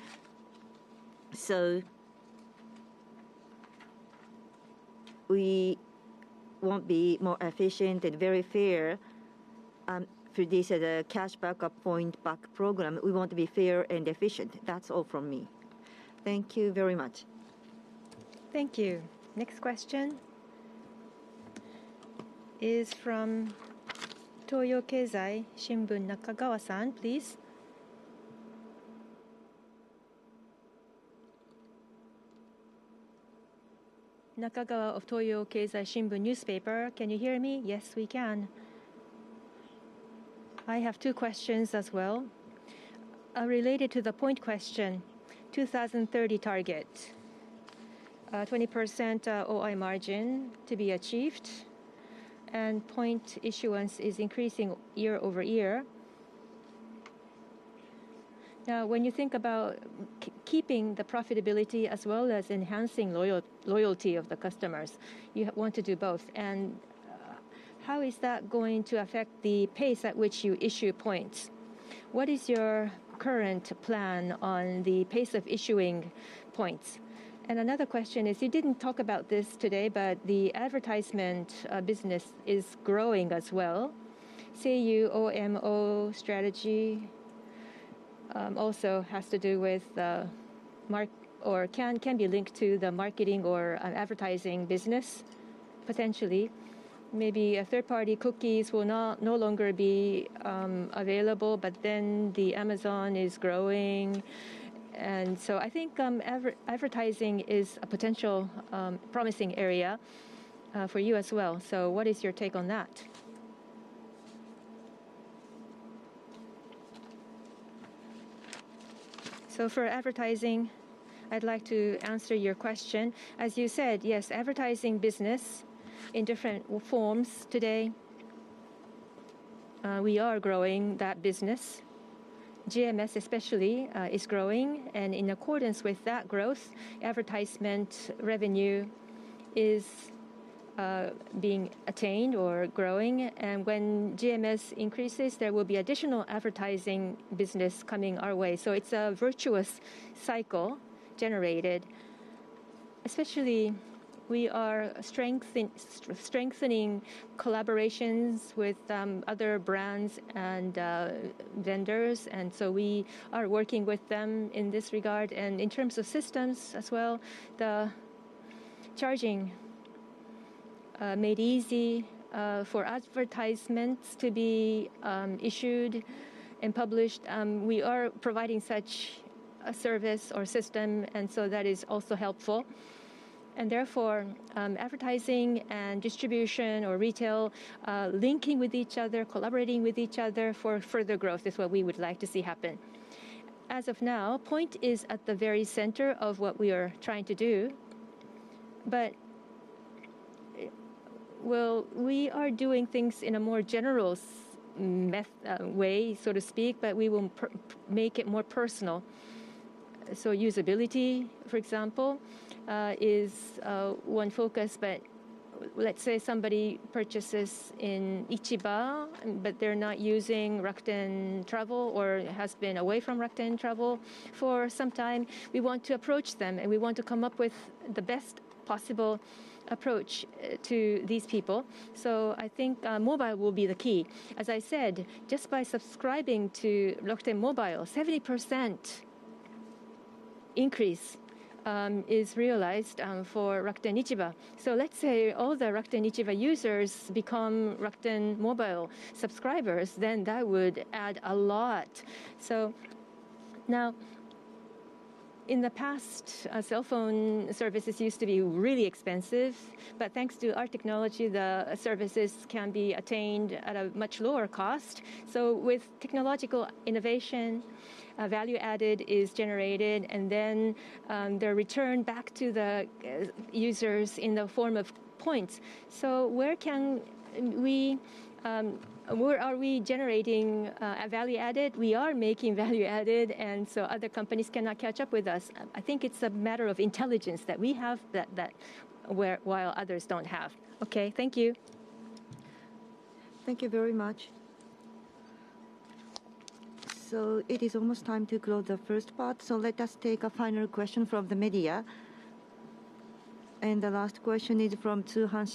We will be more efficient and very fair through the cash back or point back program. We want to be fair and efficient. That's all from me. Thank you very much. Thank you. Next question is from Toyo Keizai, Nakagawa-san, please. Nakagawa of Toyo Keizai Shimbun Newspaper. Can you hear me? Yes, we can. I have two questions as well. Related to the point question, 2030 target, 20% OI margin to be achieved, and point issuance is increasing year-over-year. Now, when you think about keeping the profitability as well as enhancing loyalty of the customers, you want to do both. How is that going to affect the pace at which you issue points? What is your current plan on the pace of issuing points? Another question is, you didn't talk about this today, but the advertisement business is growing as well. The OMO strategy also has to do with or can be linked to the marketing or advertising business potentially. Maybe third-party cookies will no longer be available, but then Amazon is growing. I think advertising is a potential promising area for you as well. What is your take on that? For advertising, I'd like to answer your question. As you said, yes, advertising business in different forms today, we are growing that business. GMS especially is growing, and in accordance with that growth, advertisement revenue is Being attained or growing. When GMS increases, there will be additional advertising business coming our way. It's a virtuous cycle generated. Especially, we are strengthening collaborations with other brands and vendors, and so we are working with them in this regard. In terms of systems as well, the charging made easy for advertisements to be issued and published, we are providing such a service or system, and that is also helpful. Therefore, advertising and distribution or retail linking with each other, collaborating with each other for further growth is what we would like to see happen. As of now, point is at the very center of what we are trying to do. Well, we are doing things in a more general way, so to speak, but we will make it more personal. Usability, for example, is one focus. Let's say somebody purchases in Ichiba, but they're not using Rakuten Travel or has been away from Rakuten Travel for some time. We want to approach them, and we want to come up with the best possible approach to these people. I think mobile will be the key. As I said, just by subscribing to Rakuten Mobile, 70% increase is realized for Rakuten Ichiba. Let's say all the Rakuten Ichiba users become Rakuten Mobile subscribers, then that would add a lot. Now, in the past, a cell phone services used to be really expensive, but thanks to our technology, the services can be attained at a much lower cost. With technological innovation, value added is generated, and then, they're returned back to the users in the form of points. Where are we generating a value added? We are making value added, and so other companies cannot catch up with us. I think it's a matter of intelligence that we have that while others don't have. Okay, thank you. Thank you very much. It is almost time to close the first part, let us take a final question from the media. The last question is from Tsuhan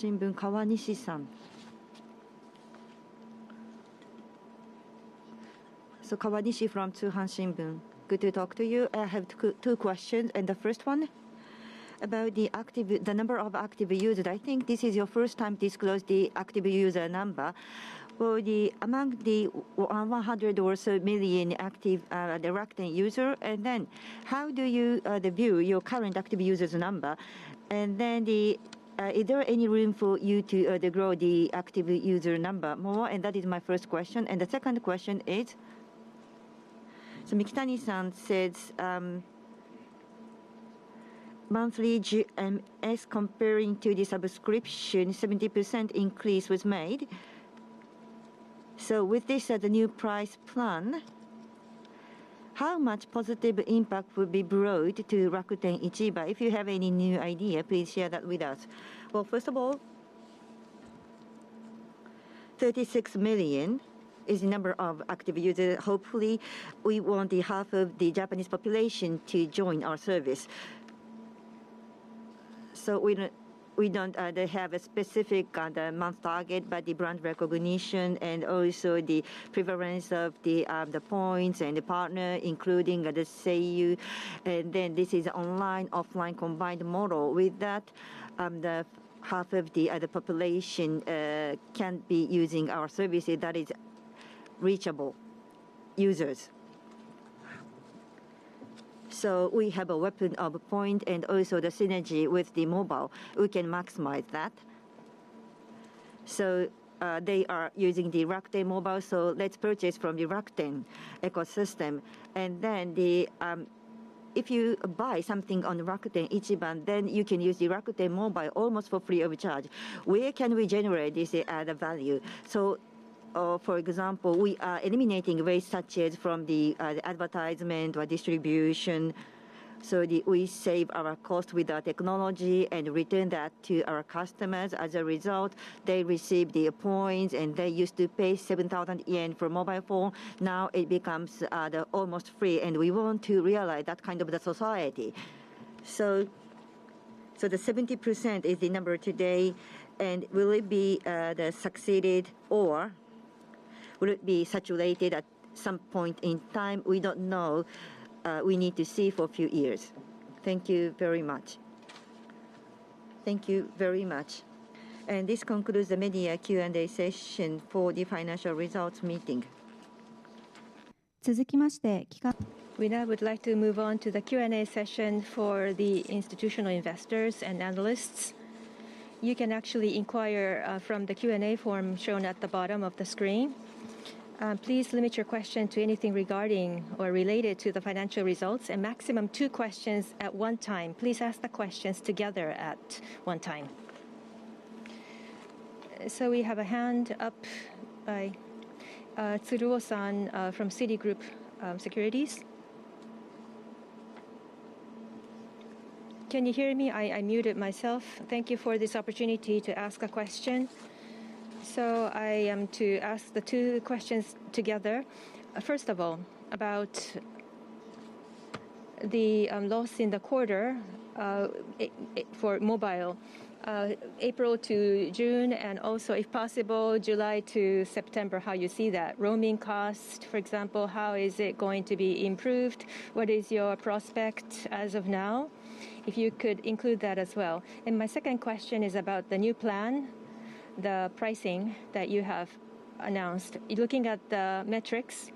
Shinbun, Kawanishi-san. Kawanishi from Tsuhan Shinbun, good to talk to you. I have two questions. The first one, about the number of active user. I think this is your first time disclose the active user number. Among the 100 or so million active Rakuten user. Then how do you view your current active users number? Then, is there any room for you to grow the active user number more? That is my first question. The second question is, Mikitani-san said, monthly GMS comparing to the subscription, 70% increase was made. With this, the new price plan, how much positive impact will be brought to Rakuten Ichiba? If you have any new idea, please share that with us. Well, first of all, 36 million is the number of active users. Hopefully, we want the half of the Japanese population to join our service. We don't have a specific monthly target, but the brand recognition and also the prevalence of the points and the partners, including the Seiyu. Then this is online, offline combined model. With that, the half of the population can be using our services. That is reachable users. We have a weapon of points and also the synergy with the mobile. We can maximize that. They are using the Rakuten Mobile, so let's purchase from the Rakuten ecosystem. If you buy something on Rakuten Ichiba, then you can use the Rakuten Mobile almost for free of charge. Where can we generate this added value? For example, we are eliminating waste, such as from the advertisement or distribution. We save our cost with our technology and return that to our customers. As a result, they receive the points. They used to pay 7,000 yen for mobile phone, now it becomes almost free. We want to realize that kind of the society. So the 70% is the number today, and will it be sustained or will it be saturated at some point in time? We don't know. We need to see for a few years. Thank you very much. Thank you very much. This concludes the media Q&A session for the financial results meeting. We now would like to move on to the Q&A session for the institutional investors and analysts. You can actually inquire from the Q&A form shown at the bottom of the screen. Please limit your question to anything regarding or related to the financial results and maximum two questions at one time. Please ask the questions together at one time. We have a hand up by Tsuruo-san from Citigroup Global Markets Japan. Can you hear me? I muted myself. Thank you for this opportunity to ask a question. I to ask the two questions together. First of all, about the loss in the quarter for mobile, April to June, and also, if possible, July to September, how you see that. Roaming cost, for example, how is it going to be improved? What is your prospect as of now? If you could include that as well. My second question is about the new plan, the pricing that you have announced. Looking at the metrics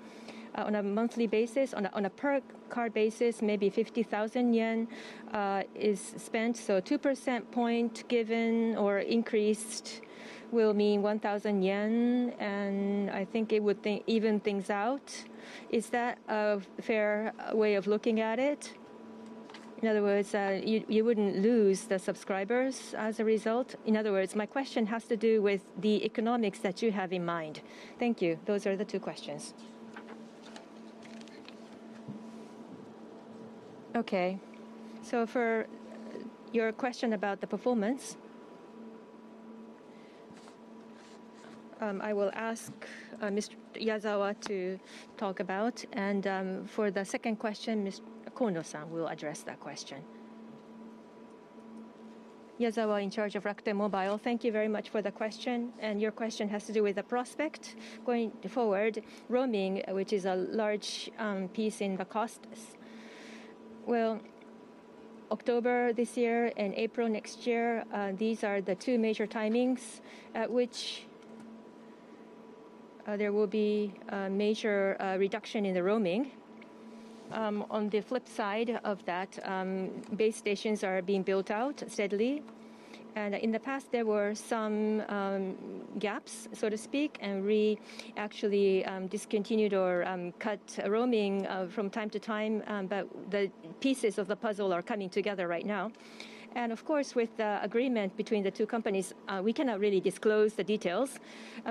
on a monthly basis, on a per card basis, maybe 50,000 yen is spent. So two percentage points given or increased will mean 1,000 yen, and I think it would even things out. Is that a fair way of looking at it? In other words, you wouldn't lose the subscribers as a result? In other words, my question has to do with the economics that you have in mind. Thank you. Those are the two questions. Okay. For your question about the performance, I will ask Mr. Yazawa to talk about. For the second question, Ms. Kono-san will address that question. Yazawa in charge of Rakuten Mobile. Thank you very much for the question, and your question has to do with the prospect going forward. Roaming, which is a large, piece in the costs. Well, October this year and April next year, these are the two major timings at which, there will be a major, reduction in the roaming. On the flip side of that, base stations are being built out steadily. In the past, there were some, gaps, so to speak, and we actually, discontinued or, cut roaming, from time to time, but the pieces of the puzzle are coming together right now. Of course, with the agreement between the two companies, we cannot really disclose the details.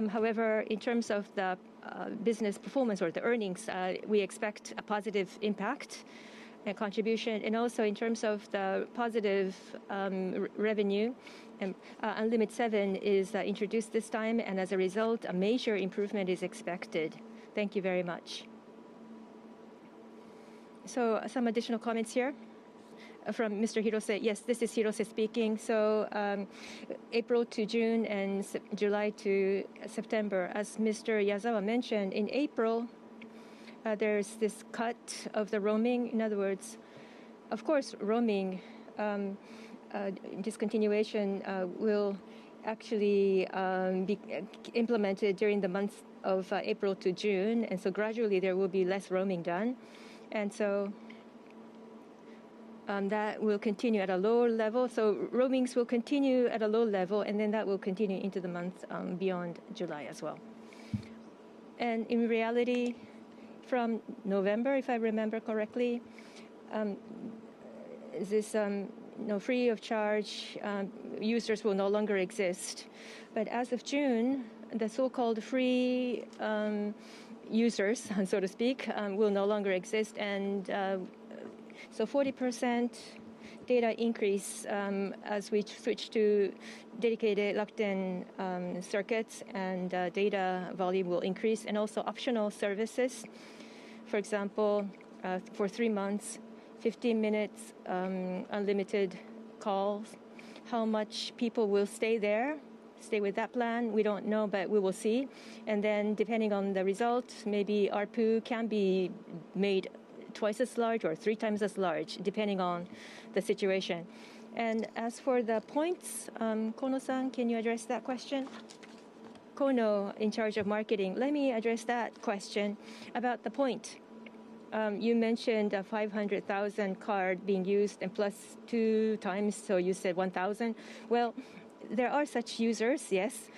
However, in terms of the, business performance or the earnings, we expect a positive impact and contribution. Also in terms of the positive, revenue, UN-LIMIT VII is introduced this time, and as a result, a major improvement is expected. Thank you very much. Some additional comments here from Mr. Hirose. Yes, this is Hirose speaking. April to June and July to September, as Mr. Yazawa mentioned, in April, there's this cut of the roaming. In other words, of course, roaming discontinuation will actually be implemented during the months of April to June, and gradually there will be less roaming done. That will continue at a lower level. Roamings will continue at a low level, and then that will continue into the months beyond July as well. In reality, from November, if I remember correctly, this, you know, free of charge users will no longer exist. But as of June, the so-called free users, so to speak, will no longer exist and so 40% data increase as we switch to dedicated Rakuten circuits and data volume will increase. Also optional services, for example, for three months, 15 minutes unlimited calls. How much people will stay there, stay with that plan, we don't know, but we will see. Then depending on the results, maybe ARPU can be made twice as large or three times as large, depending on the situation. As for the points, Kono-san, can you address that question? Kono in charge of marketing. Let me address that question about the point. You mentioned a 500,000 card being used and plus two times, so you said 1,000. Well, there are such users, yes.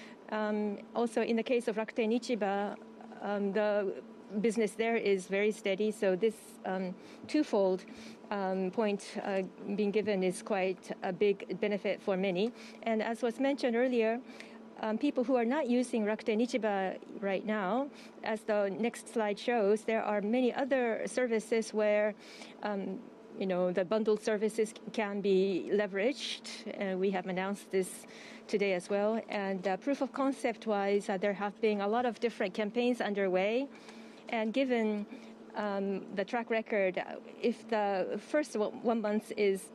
Also in the case of Rakuten Ichiba, the business there is very steady, so this twofold point being given is quite a big benefit for many. As was mentioned earlier, people who are not using Rakuten Ichiba right now, as the next slide shows, there are many other services where you know the bundled services can be leveraged. We have announced this today as well. Proof of concept-wise, there have been a lot of different campaigns underway. Given the track record, if the first one month is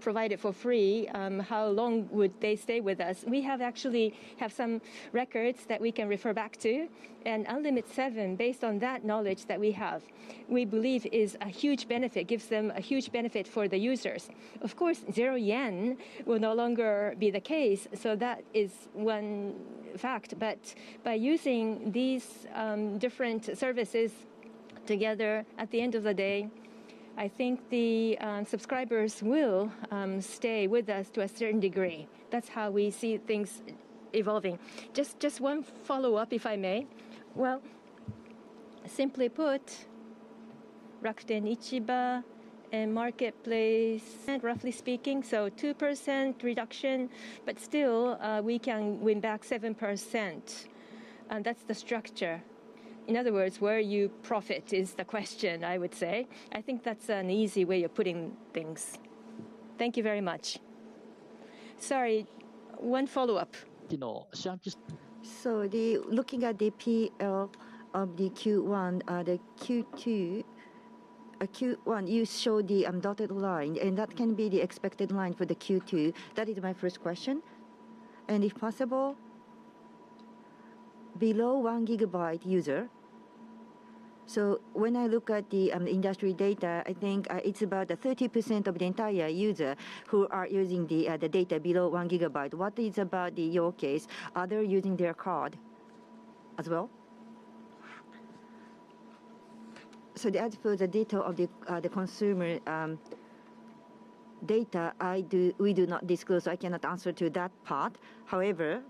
provided for free, how long would they stay with us? We actually have some records that we can refer back to. UN-LIMIT VII, based on that knowledge that we have, we believe is a huge benefit, gives them a huge benefit for the users. Of course, zero yen will no longer be the case, so that is one fact. By using these different services together, at the end of the day, I think the subscribers will stay with us to a certain degree. That's how we see things evolving. Just one follow-up, if I may. Well, simply put, Rakuten Ichiba and Marketplace, roughly speaking, so 2% reduction, but still, we can win back 7%. That's the structure. In other words, where you profit is the question, I would say. I think that's an easy way of putting things. Thank you very much. Sorry, one follow-up. You know, looking at the Profit and Losses of Q1, and Q2. Q1, you show the dotted line, and that can be the expected line for the Q2. That is my first question. If possible, below 1 GB user. When I look at the industry data, I think it's about 30% of the entire user who are using the data below 1 GB. What about your case? Are they using their card as well? As for the data of the consumer data, we do not disclose, so I cannot answer to that part. However,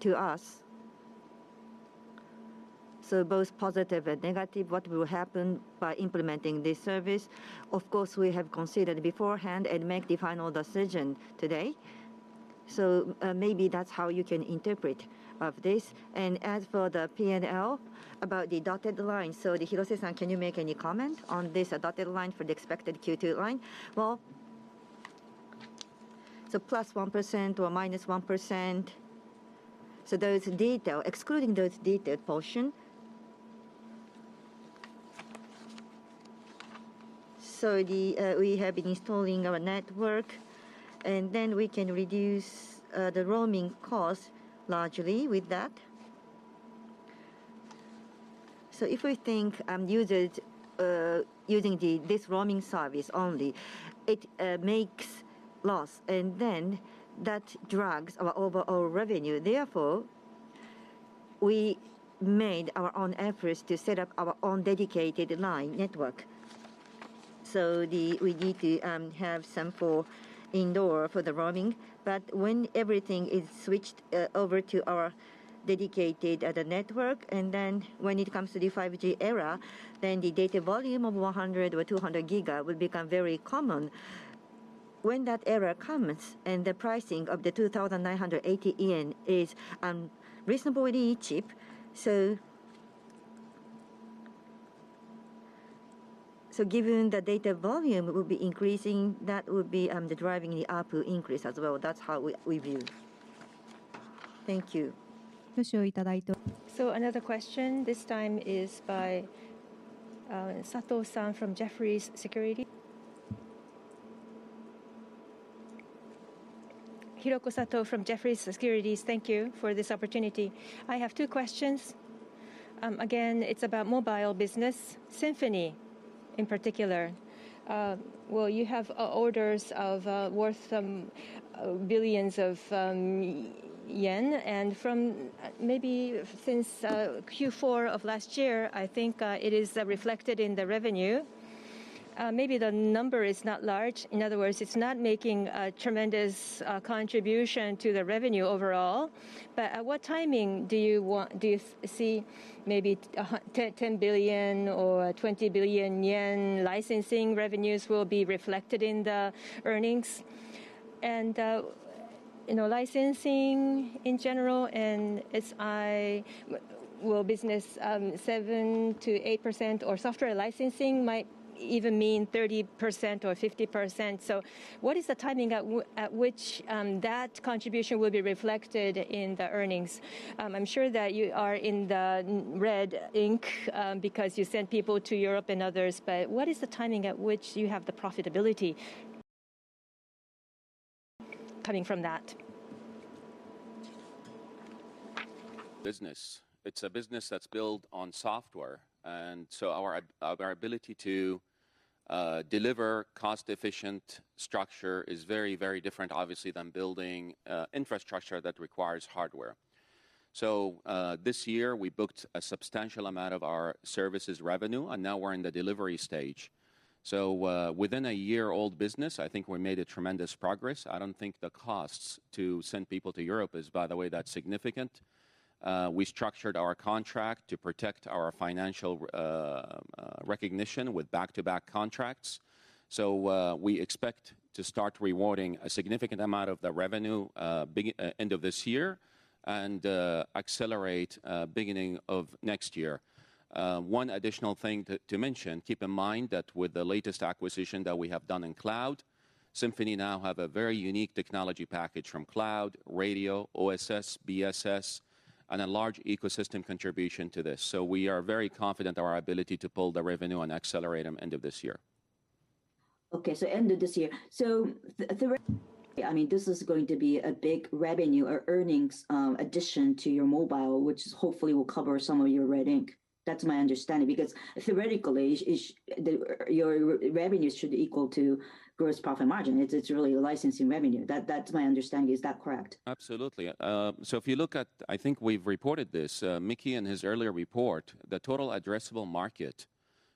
to us, both positive and negative, what will happen by implementing this service, of course, we have considered beforehand and make the final decision today. Maybe that's how you can interpret of this. As for the Profit and Losses, about the dotted line. Hirose-san, can you make any comment on this dotted line for the expected Q2 line? Well, +1% or -1%, those detail, excluding those detailed portion. We have been installing our network, and then we can reduce the roaming cost largely with that. If we think users using this roaming service only, it makes loss, and then that drags our overall revenue. Therefore, we made our own efforts to set up our own dedicated line network. We need to have some for indoor for the roaming. When everything is switched over to our dedicated network, and then when it comes to the 5G era, the data volume of 100 or 200 GB will become very common. When that era comes, the pricing of 2,980 yen is reasonably cheap. Given the data volume will be increasing, that would be driving the ARPU increase as well. That's how we view. Thank you. Another question, this time is by Hiroko Sato-san from Jefferies Securities. Hiroko Sato from Jefferies Japan Limited. Thank you for this opportunity. I have two questions. Again, it's about mobile business, Rakuten Symphony in particular. You have orders worth billions of JPY, and from maybe since Q4 of last year, I think, it is reflected in the revenue. Maybe the number is not large. In other words, it's not making a tremendous contribution to the revenue overall. At what timing do you see maybe 10 billion JPY or 20 billion yen licensing revenues will be reflected in the earnings? Licensing in general, business 7%-8% or software licensing might even mean 30% or 50%. What is the timing at which that contribution will be reflected in the earnings? I'm sure that you are in the red ink because you send people to Europe and others, but what is the timing at which you have the profitability coming from that? Business. It's a business that's built on software, and our ability to deliver cost-efficient structure is very, very different, obviously, than building infrastructure that requires hardware. This year, we booked a substantial amount of our services revenue, and now we're in the delivery stage. Within a year old business, I think we made a tremendous progress. I don't think the costs to send people to Europe is, by the way, that significant. We structured our contract to protect our financial recognition with back-to-back contracts. We expect to start recognizing a significant amount of the revenue, end of this year and accelerate, beginning of next year. One additional thing to mention, keep in mind that with the latest acquisition that we have done in cloud, Rakuten Symphony now have a very unique technology package from cloud, radio, OSS, BSS, and a large ecosystem contribution to this. We are very confident of our ability to pull the revenue and accelerate them end of this year. Okay, end of this year. I mean, this is going to be a big revenue or earnings addition to your mobile, which hopefully will cover some of your red ink. That's my understanding because theoretically, your revenues should equal to gross profit margin. It's really a licensing revenue. That's my understanding. Is that correct? Absolutely. If you look at, I think we've reported this. Mickey in his earlier report, the total addressable market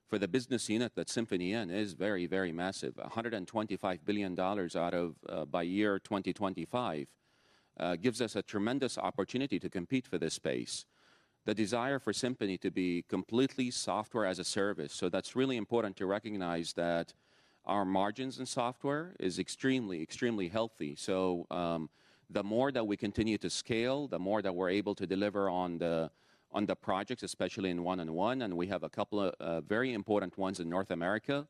for the business unit that Symphony is in is very, very massive. $125 billion by year 2025 gives us a tremendous opportunity to compete for this space. The desire for Symphony to be completely software-as-a-service, so that's really important to recognize that our margins in software is extremely healthy. The more that we continue to scale, the more that we're able to deliver on the projects, especially in one-on-one, and we have a couple of very important ones in North America.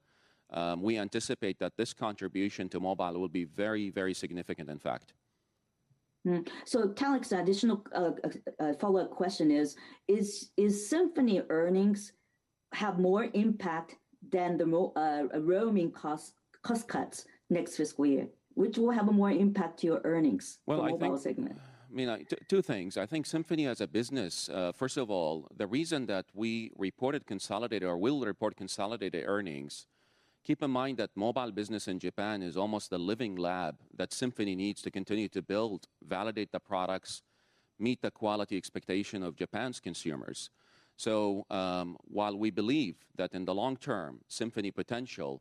We anticipate that this contribution to mobile will be very, very significant in fact. The additional follow-up question is: Is Symphony earnings have more impact than the roaming cost cuts next Fiscal Year? Which will have a more impact to your earnings- Well, I think. for mobile segment? I mean, two things. I think Symphony as a business, first of all, the reason that we reported consolidated or will report consolidated earnings, keep in mind that mobile business in Japan is almost a living lab that Symphony needs to continue to build, validate the products, meet the quality expectation of Japan's consumers. While we believe that in the long term, Symphony potential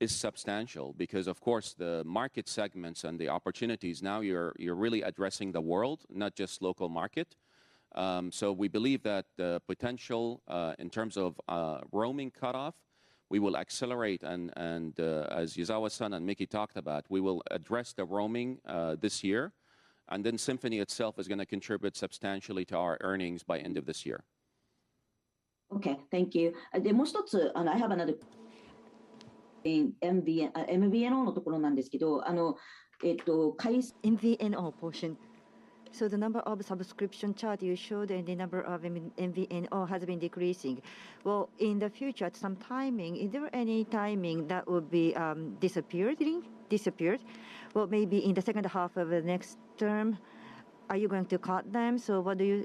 is substantial because of course the market segments and the opportunities, now you're really addressing the world, not just local market. We believe that the potential in terms of roaming cutoff, we will accelerate and as Yazawa-san and Miki talked about, we will address the roaming this year. Then Symphony itself is gonna contribute substantially to our earnings by end of this year. Okay, thank you. Japanese interlocutor, I have another. In MVNO portion. The number of subscription chart you showed and the number of MVNO has been decreasing. Well, in the future, at some timing, is there any timing that would be disappeared? Well, maybe in the second half of the next term, are you going to cut them? What do you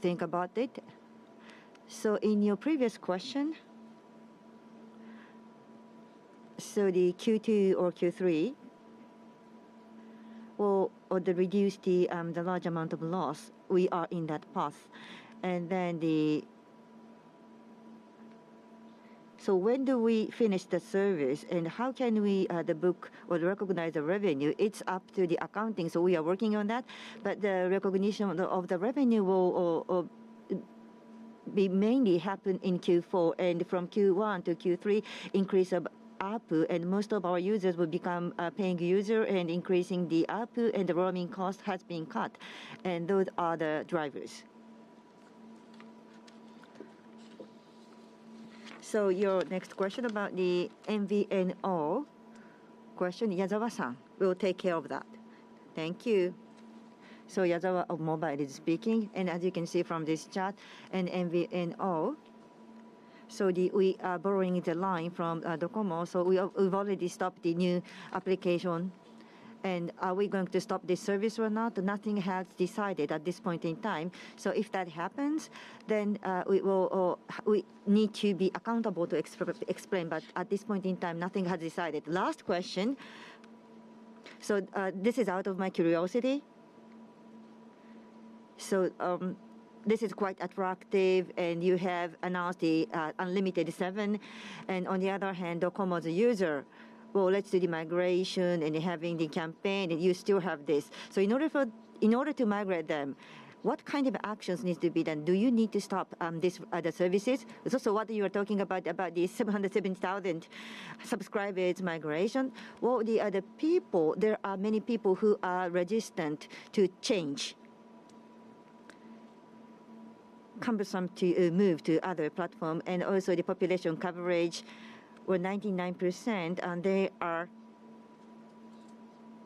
think about it? In your previous question, the Q2 or Q3 or to reduce the large amount of loss, we are in that path. When do we finish the service, and how can we book or recognize the revenue? It's up to the accounting, so we are working on that. Recognition of the revenue will mainly happen in Q4 and from Q1 to Q3 increase of ARPU, and most of our users will become a paying user and increasing the ARPU and the roaming cost has been cut. Those are the drivers. Your next question about the MVNO question, Yazawa-san will take care of that. Thank you. Yazawa of Mobile is speaking. As you can see from this chart, an MVNO, we are borrowing the line from Docomo, so we have we've already stopped the new application. Are we going to stop this service or not? Nothing has decided at this point in time. If that happens, then we will need to be accountable to explain, but at this point in time, nothing has decided. Last question. This is out of my curiosity. This is quite attractive, and you have announced the UN-LIMIT VII. On the other hand, Docomo's user, well, let's do the migration and having the campaign, and you still have this. In order to migrate them, what kind of actions needs to be done? Do you need to stop this, the services? It's also what you are talking about the 770,000 subscribers migration. Well, the other people, there are many people who are resistant to change. Cumbersome to move to other platform. The population coverage were 99%, and there are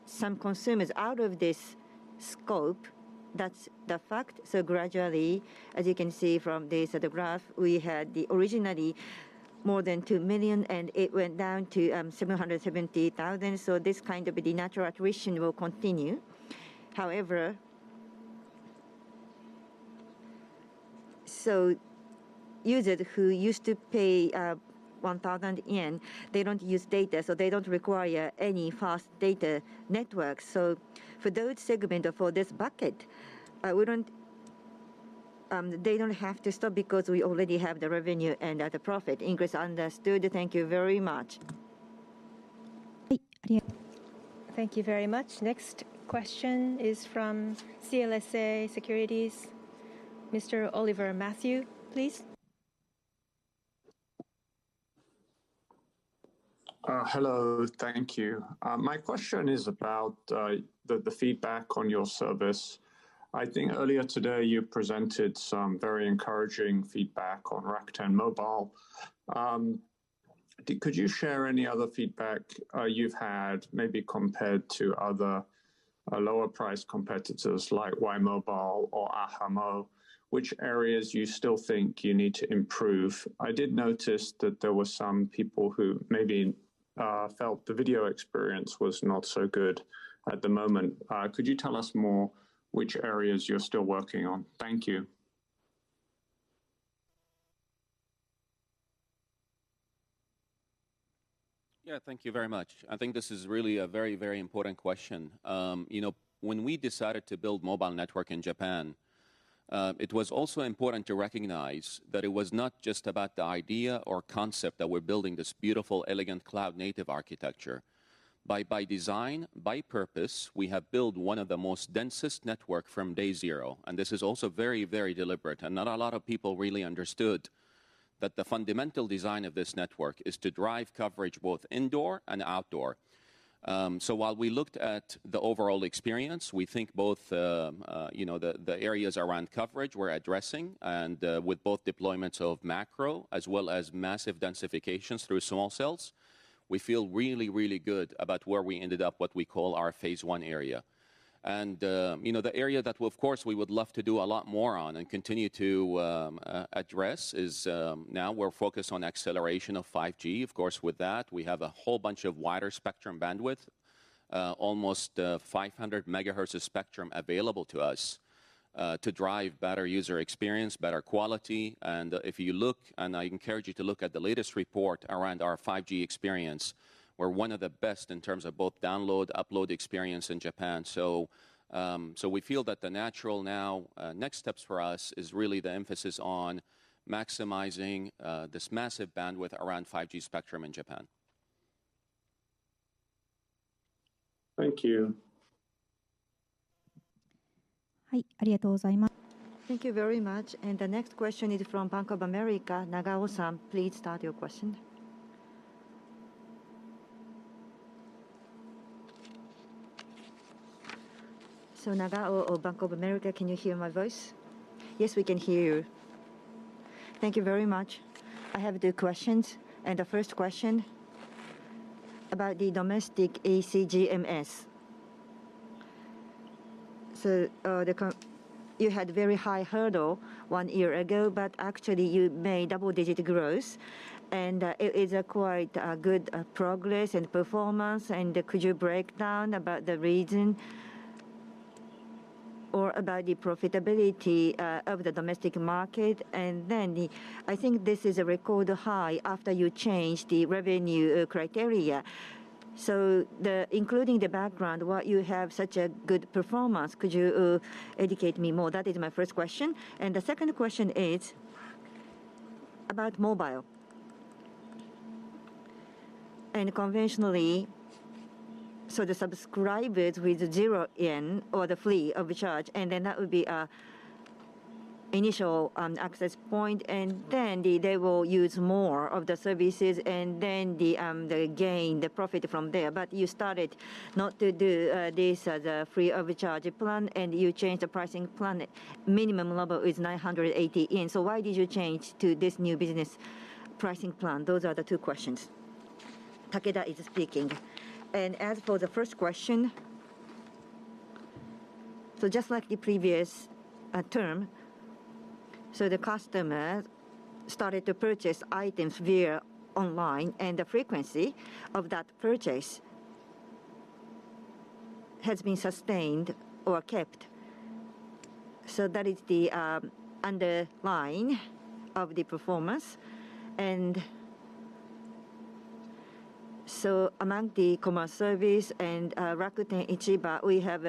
some consumers out of this scope. That's the fact. Gradually, as you can see from this, the graph, we had the originally more than two million, and it went down to 770,000. This kind of the natural attrition will continue. User who used to pay 1,000 yen, they don't use data, so they don't require any fast data network. For those segment, for this bucket, we don't, they don't have to stop because we already have the revenue and the profit. Ingres understood. Thank you very much. Thank you. Thank you very much. Next question is from CLSA, Mr. Oliver Matthew, please. Hello. Thank you. My question is about the feedback on your service. I think earlier today you presented some very encouraging feedback on Rakuten Mobile. Could you share any other feedback you've had maybe compared to other lower priced competitors like Y!mobile or ahamo? Which areas you still think you need to improve? I did notice that there were some people who maybe felt the video experience was not so good at the moment. Could you tell us more which areas you're still working on? Thank you. Yeah, thank you very much. I think this is really a very, very important question. You know, when we decided to build mobile network in Japan, it was also important to recognize that it was not just about the idea or concept that we're building this beautiful, elegant cloud-native architecture. By design, by purpose, we have built one of the most densest network from day zero, and this is also very, very deliberate. Not a lot of people really understood that the fundamental design of this network is to drive coverage both indoor and outdoor. While we looked at the overall experience, we think both, you know, the areas around coverage we're addressing, and with both deployments of macro as well as massive densifications through small cells, we feel really good about where we ended up, what we call our phase one area. The area that of course we would love to do a lot more on and continue to address is now we're focused on acceleration of 5G. Of course, with that, we have a whole bunch of wider spectrum bandwidth, almost 500 MHz of spectrum available to us, to drive better user experience, better quality. If you look, I encourage you to look at the latest report around our 5G experience, we're one of the best in terms of both download, upload experience in Japan. We feel that the natural now next steps for us is really the emphasis on maximizing this massive bandwidth around 5G spectrum in Japan. Thank you. Thank you very much. The next question is from Bank of America. Nagao-san, please start your question. Nagao of Bank of America, can you hear my voice? Yes, we can hear you. Thank you very much. I have the questions, and the first question about the domestic EC GMS. You had very high hurdle one year ago, but actually you made double-digit growth, and it is a quite good progress and performance. Could you break down about the reason or about the profitability of the domestic market? Then I think this is a record high after you changed the revenue criteria. Including the background, why you have such a good performance? Could you educate me more? That is my first question. The second question is about mobile. Conventionally, the subscribers with zero yen or the free of charge, and then that would be an initial access point, and then they will use more of the services and then the gain, the profit from there. You started not to do this as a free of charge plan and you changed the pricing plan. Minimum level is 980 yen. Why did you change to this new business pricing plan? Those are the two questions. Takeda is speaking. As for the first question, just like the previous term, the customer started to purchase items online, and the frequency of that purchase has been sustained or kept. That is the underlying of the performance. Among the commerce service and Rakuten Ichiba, we have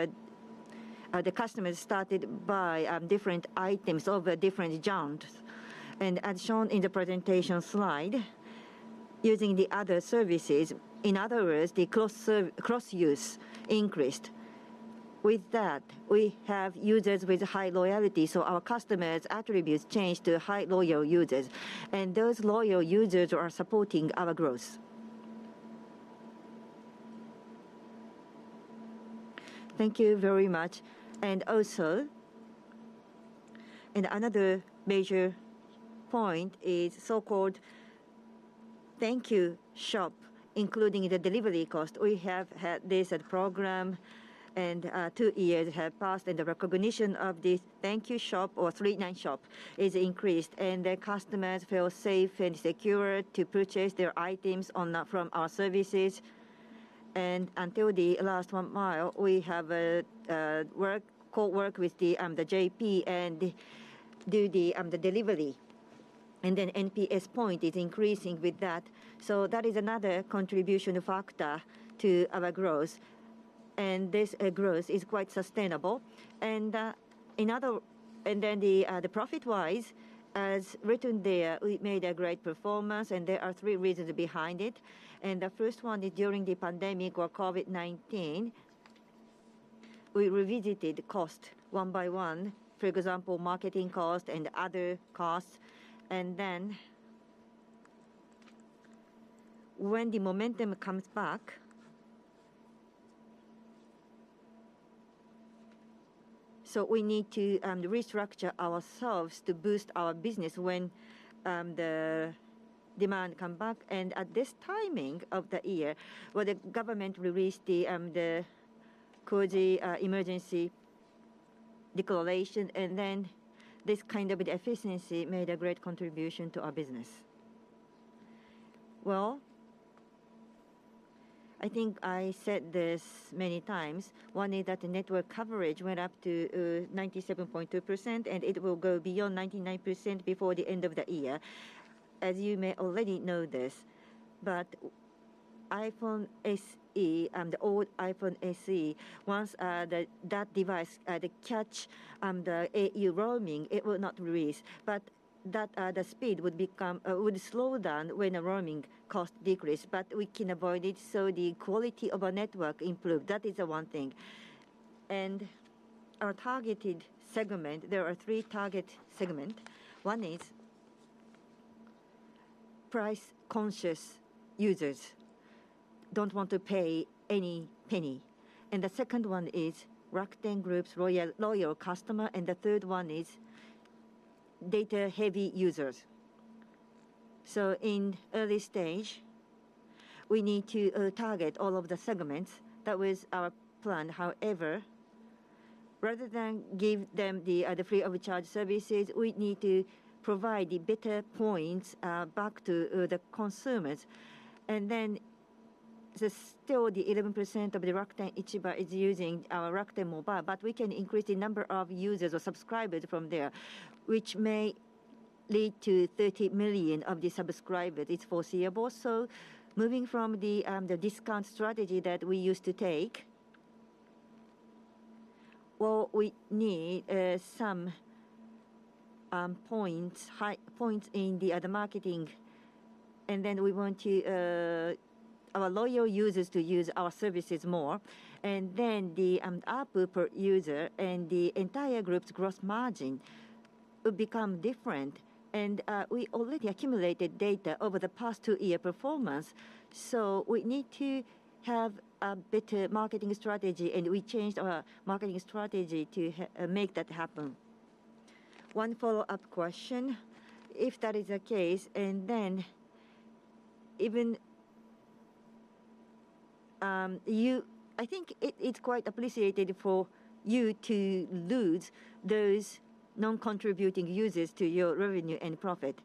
the customers start to buy different items of different genres. As shown in the presentation slide, using the other services, in other words, the cross-use increased. With that, we have users with high loyalty, so our customers attributes change to high loyal users, and those loyal users are supporting our growth. Thank you very much. Another major point is so-called thank you shop, including the delivery cost. We have had this program and two years have passed and the recognition of this thank you shop or 3,980 yen shop is increased, and the customers feel safe and secure to purchase their items from our services. Until the last one mile, we have co-work with the JP and do the delivery, and then NPS point is increasing with that. That is another contribution factor to our growth. This growth is quite sustainable. Then the profit-wise, as written there, we made a great performance, and there are three reasons behind it. The first one is during the pandemic or COVID-19, we revisited costs one by one, for example, marketing costs and other costs. Then when the momentum comes back, we need to restructure ourselves to boost our business when the demand comes back. At this timing of the year, where the government released the COVID emergency declaration, this kind of efficiency made a great contribution to our business. Well, I think I said this many times. One is that the network coverage went up to 97.2%, and it will go beyond 99% before the end of the year, as you may already know this. iPhone SE, the old iPhone SE, the au roaming, it will not release. That, the speed would slow down when the roaming costs decrease, but we can avoid it, so the quality of our network improved. That is the one thing. Our targeted segment, there are three target segment. One is price-conscious users, don't want to pay a penny. The second one is Rakuten Group's loyal customer, and the third one is data-heavy users. In early stage, we need to target all of the segments. That was our plan. However, rather than give them the free of charge services, we need to provide the better points back to the consumers. Still the 11% of the Rakuten Ichiba is using our Rakuten Mobile, but we can increase the number of users or subscribers from there, which may lead to 30 million subscribers. It's foreseeable. Moving from the discount strategy that we used to take, well, we need some points, high points in the other marketing, and then we want our loyal users to use our services more. The ARPU per user and the entire group's gross margin will become different. We already accumulated data over the past two-year performance, so we need to have a better marketing strategy, and we changed our marketing strategy to make that happen. One follow-up question. If that is the case, even you... I think it's quite appreciated for you to lose those non-contributing users to your revenue and profit,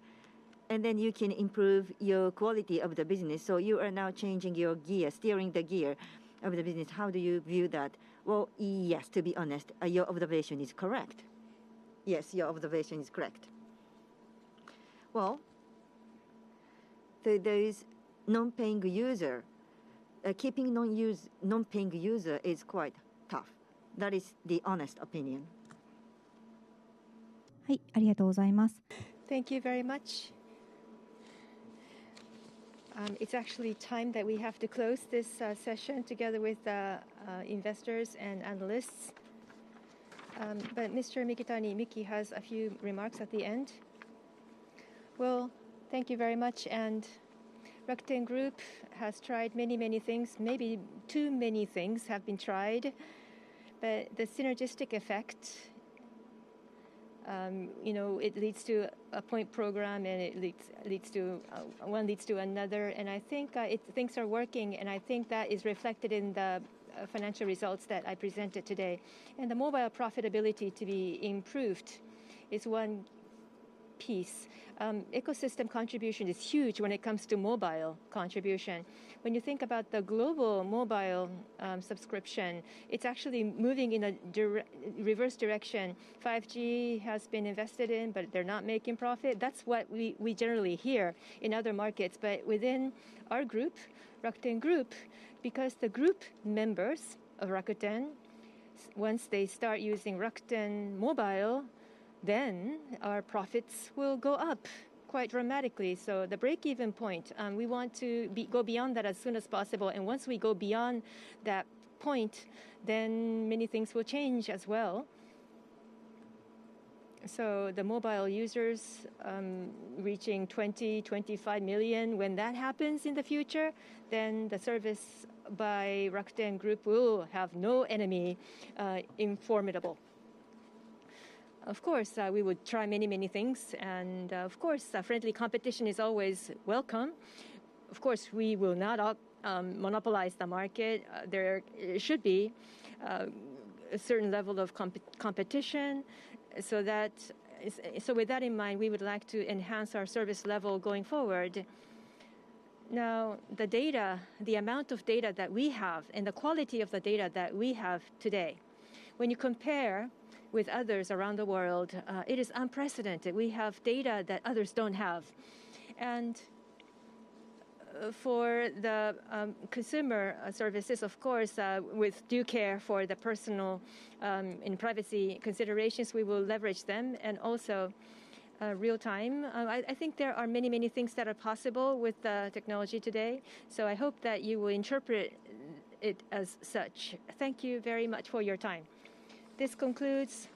and then you can improve your quality of the business, so you are now changing your gear, steering the gear of the business. How do you view that? Well, yes, to be honest, your observation is correct. Well, there is non-paying user. Keeping non-paying user is quite tough. That is the honest opinion. Thank you very much. It's actually time that we have to close this session together with investors and analysts. Mr. Mikitani, Mickey has a few remarks at the end. Well, thank you very much. Rakuten Group has tried many things, maybe too many things have been tried. The synergistic effect, you know, it leads to a point program and it leads to one leads to another, and I think things are working, and I think that is reflected in the financial results that I presented today. The mobile profitability to be improved is one piece. Ecosystem contribution is huge when it comes to mobile contribution. When you think about the global mobile subscription, it's actually moving in a reverse direction. 5G has been invested in, but they're not making profit. That's what we generally hear in other markets. Within our group, Rakuten Group, because the group members of Rakuten once they start using Rakuten Mobile, then our profits will go up quite dramatically. The break-even point we want to go beyond that as soon as possible. Once we go beyond that point, then many things will change as well. The mobile users reaching 20-25 million, when that happens in the future, then the service by Rakuten Group will have no formidable enemy. Of course, we would try many things, and of course, friendly competition is always welcome. Of course, we will not monopolize the market. There should be a certain level of competition, so that. With that in mind, we would like to enhance our service level going forward. Now, the data, the amount of data that we have and the quality of the data that we have today, when you compare with others around the world, it is unprecedented. We have data that others don't have. For the consumer services, of course, with due care for the personal and privacy considerations, we will leverage them and also real time. I think there are many things that are possible with the technology today, so I hope that you will interpret it as such. Thank you very much for your time. This concludes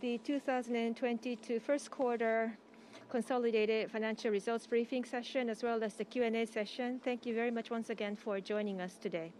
the 2022 Q1 Consolidated Financial Results Briefing Session, as well as the Q&A session. Thank you very much once again for joining us today.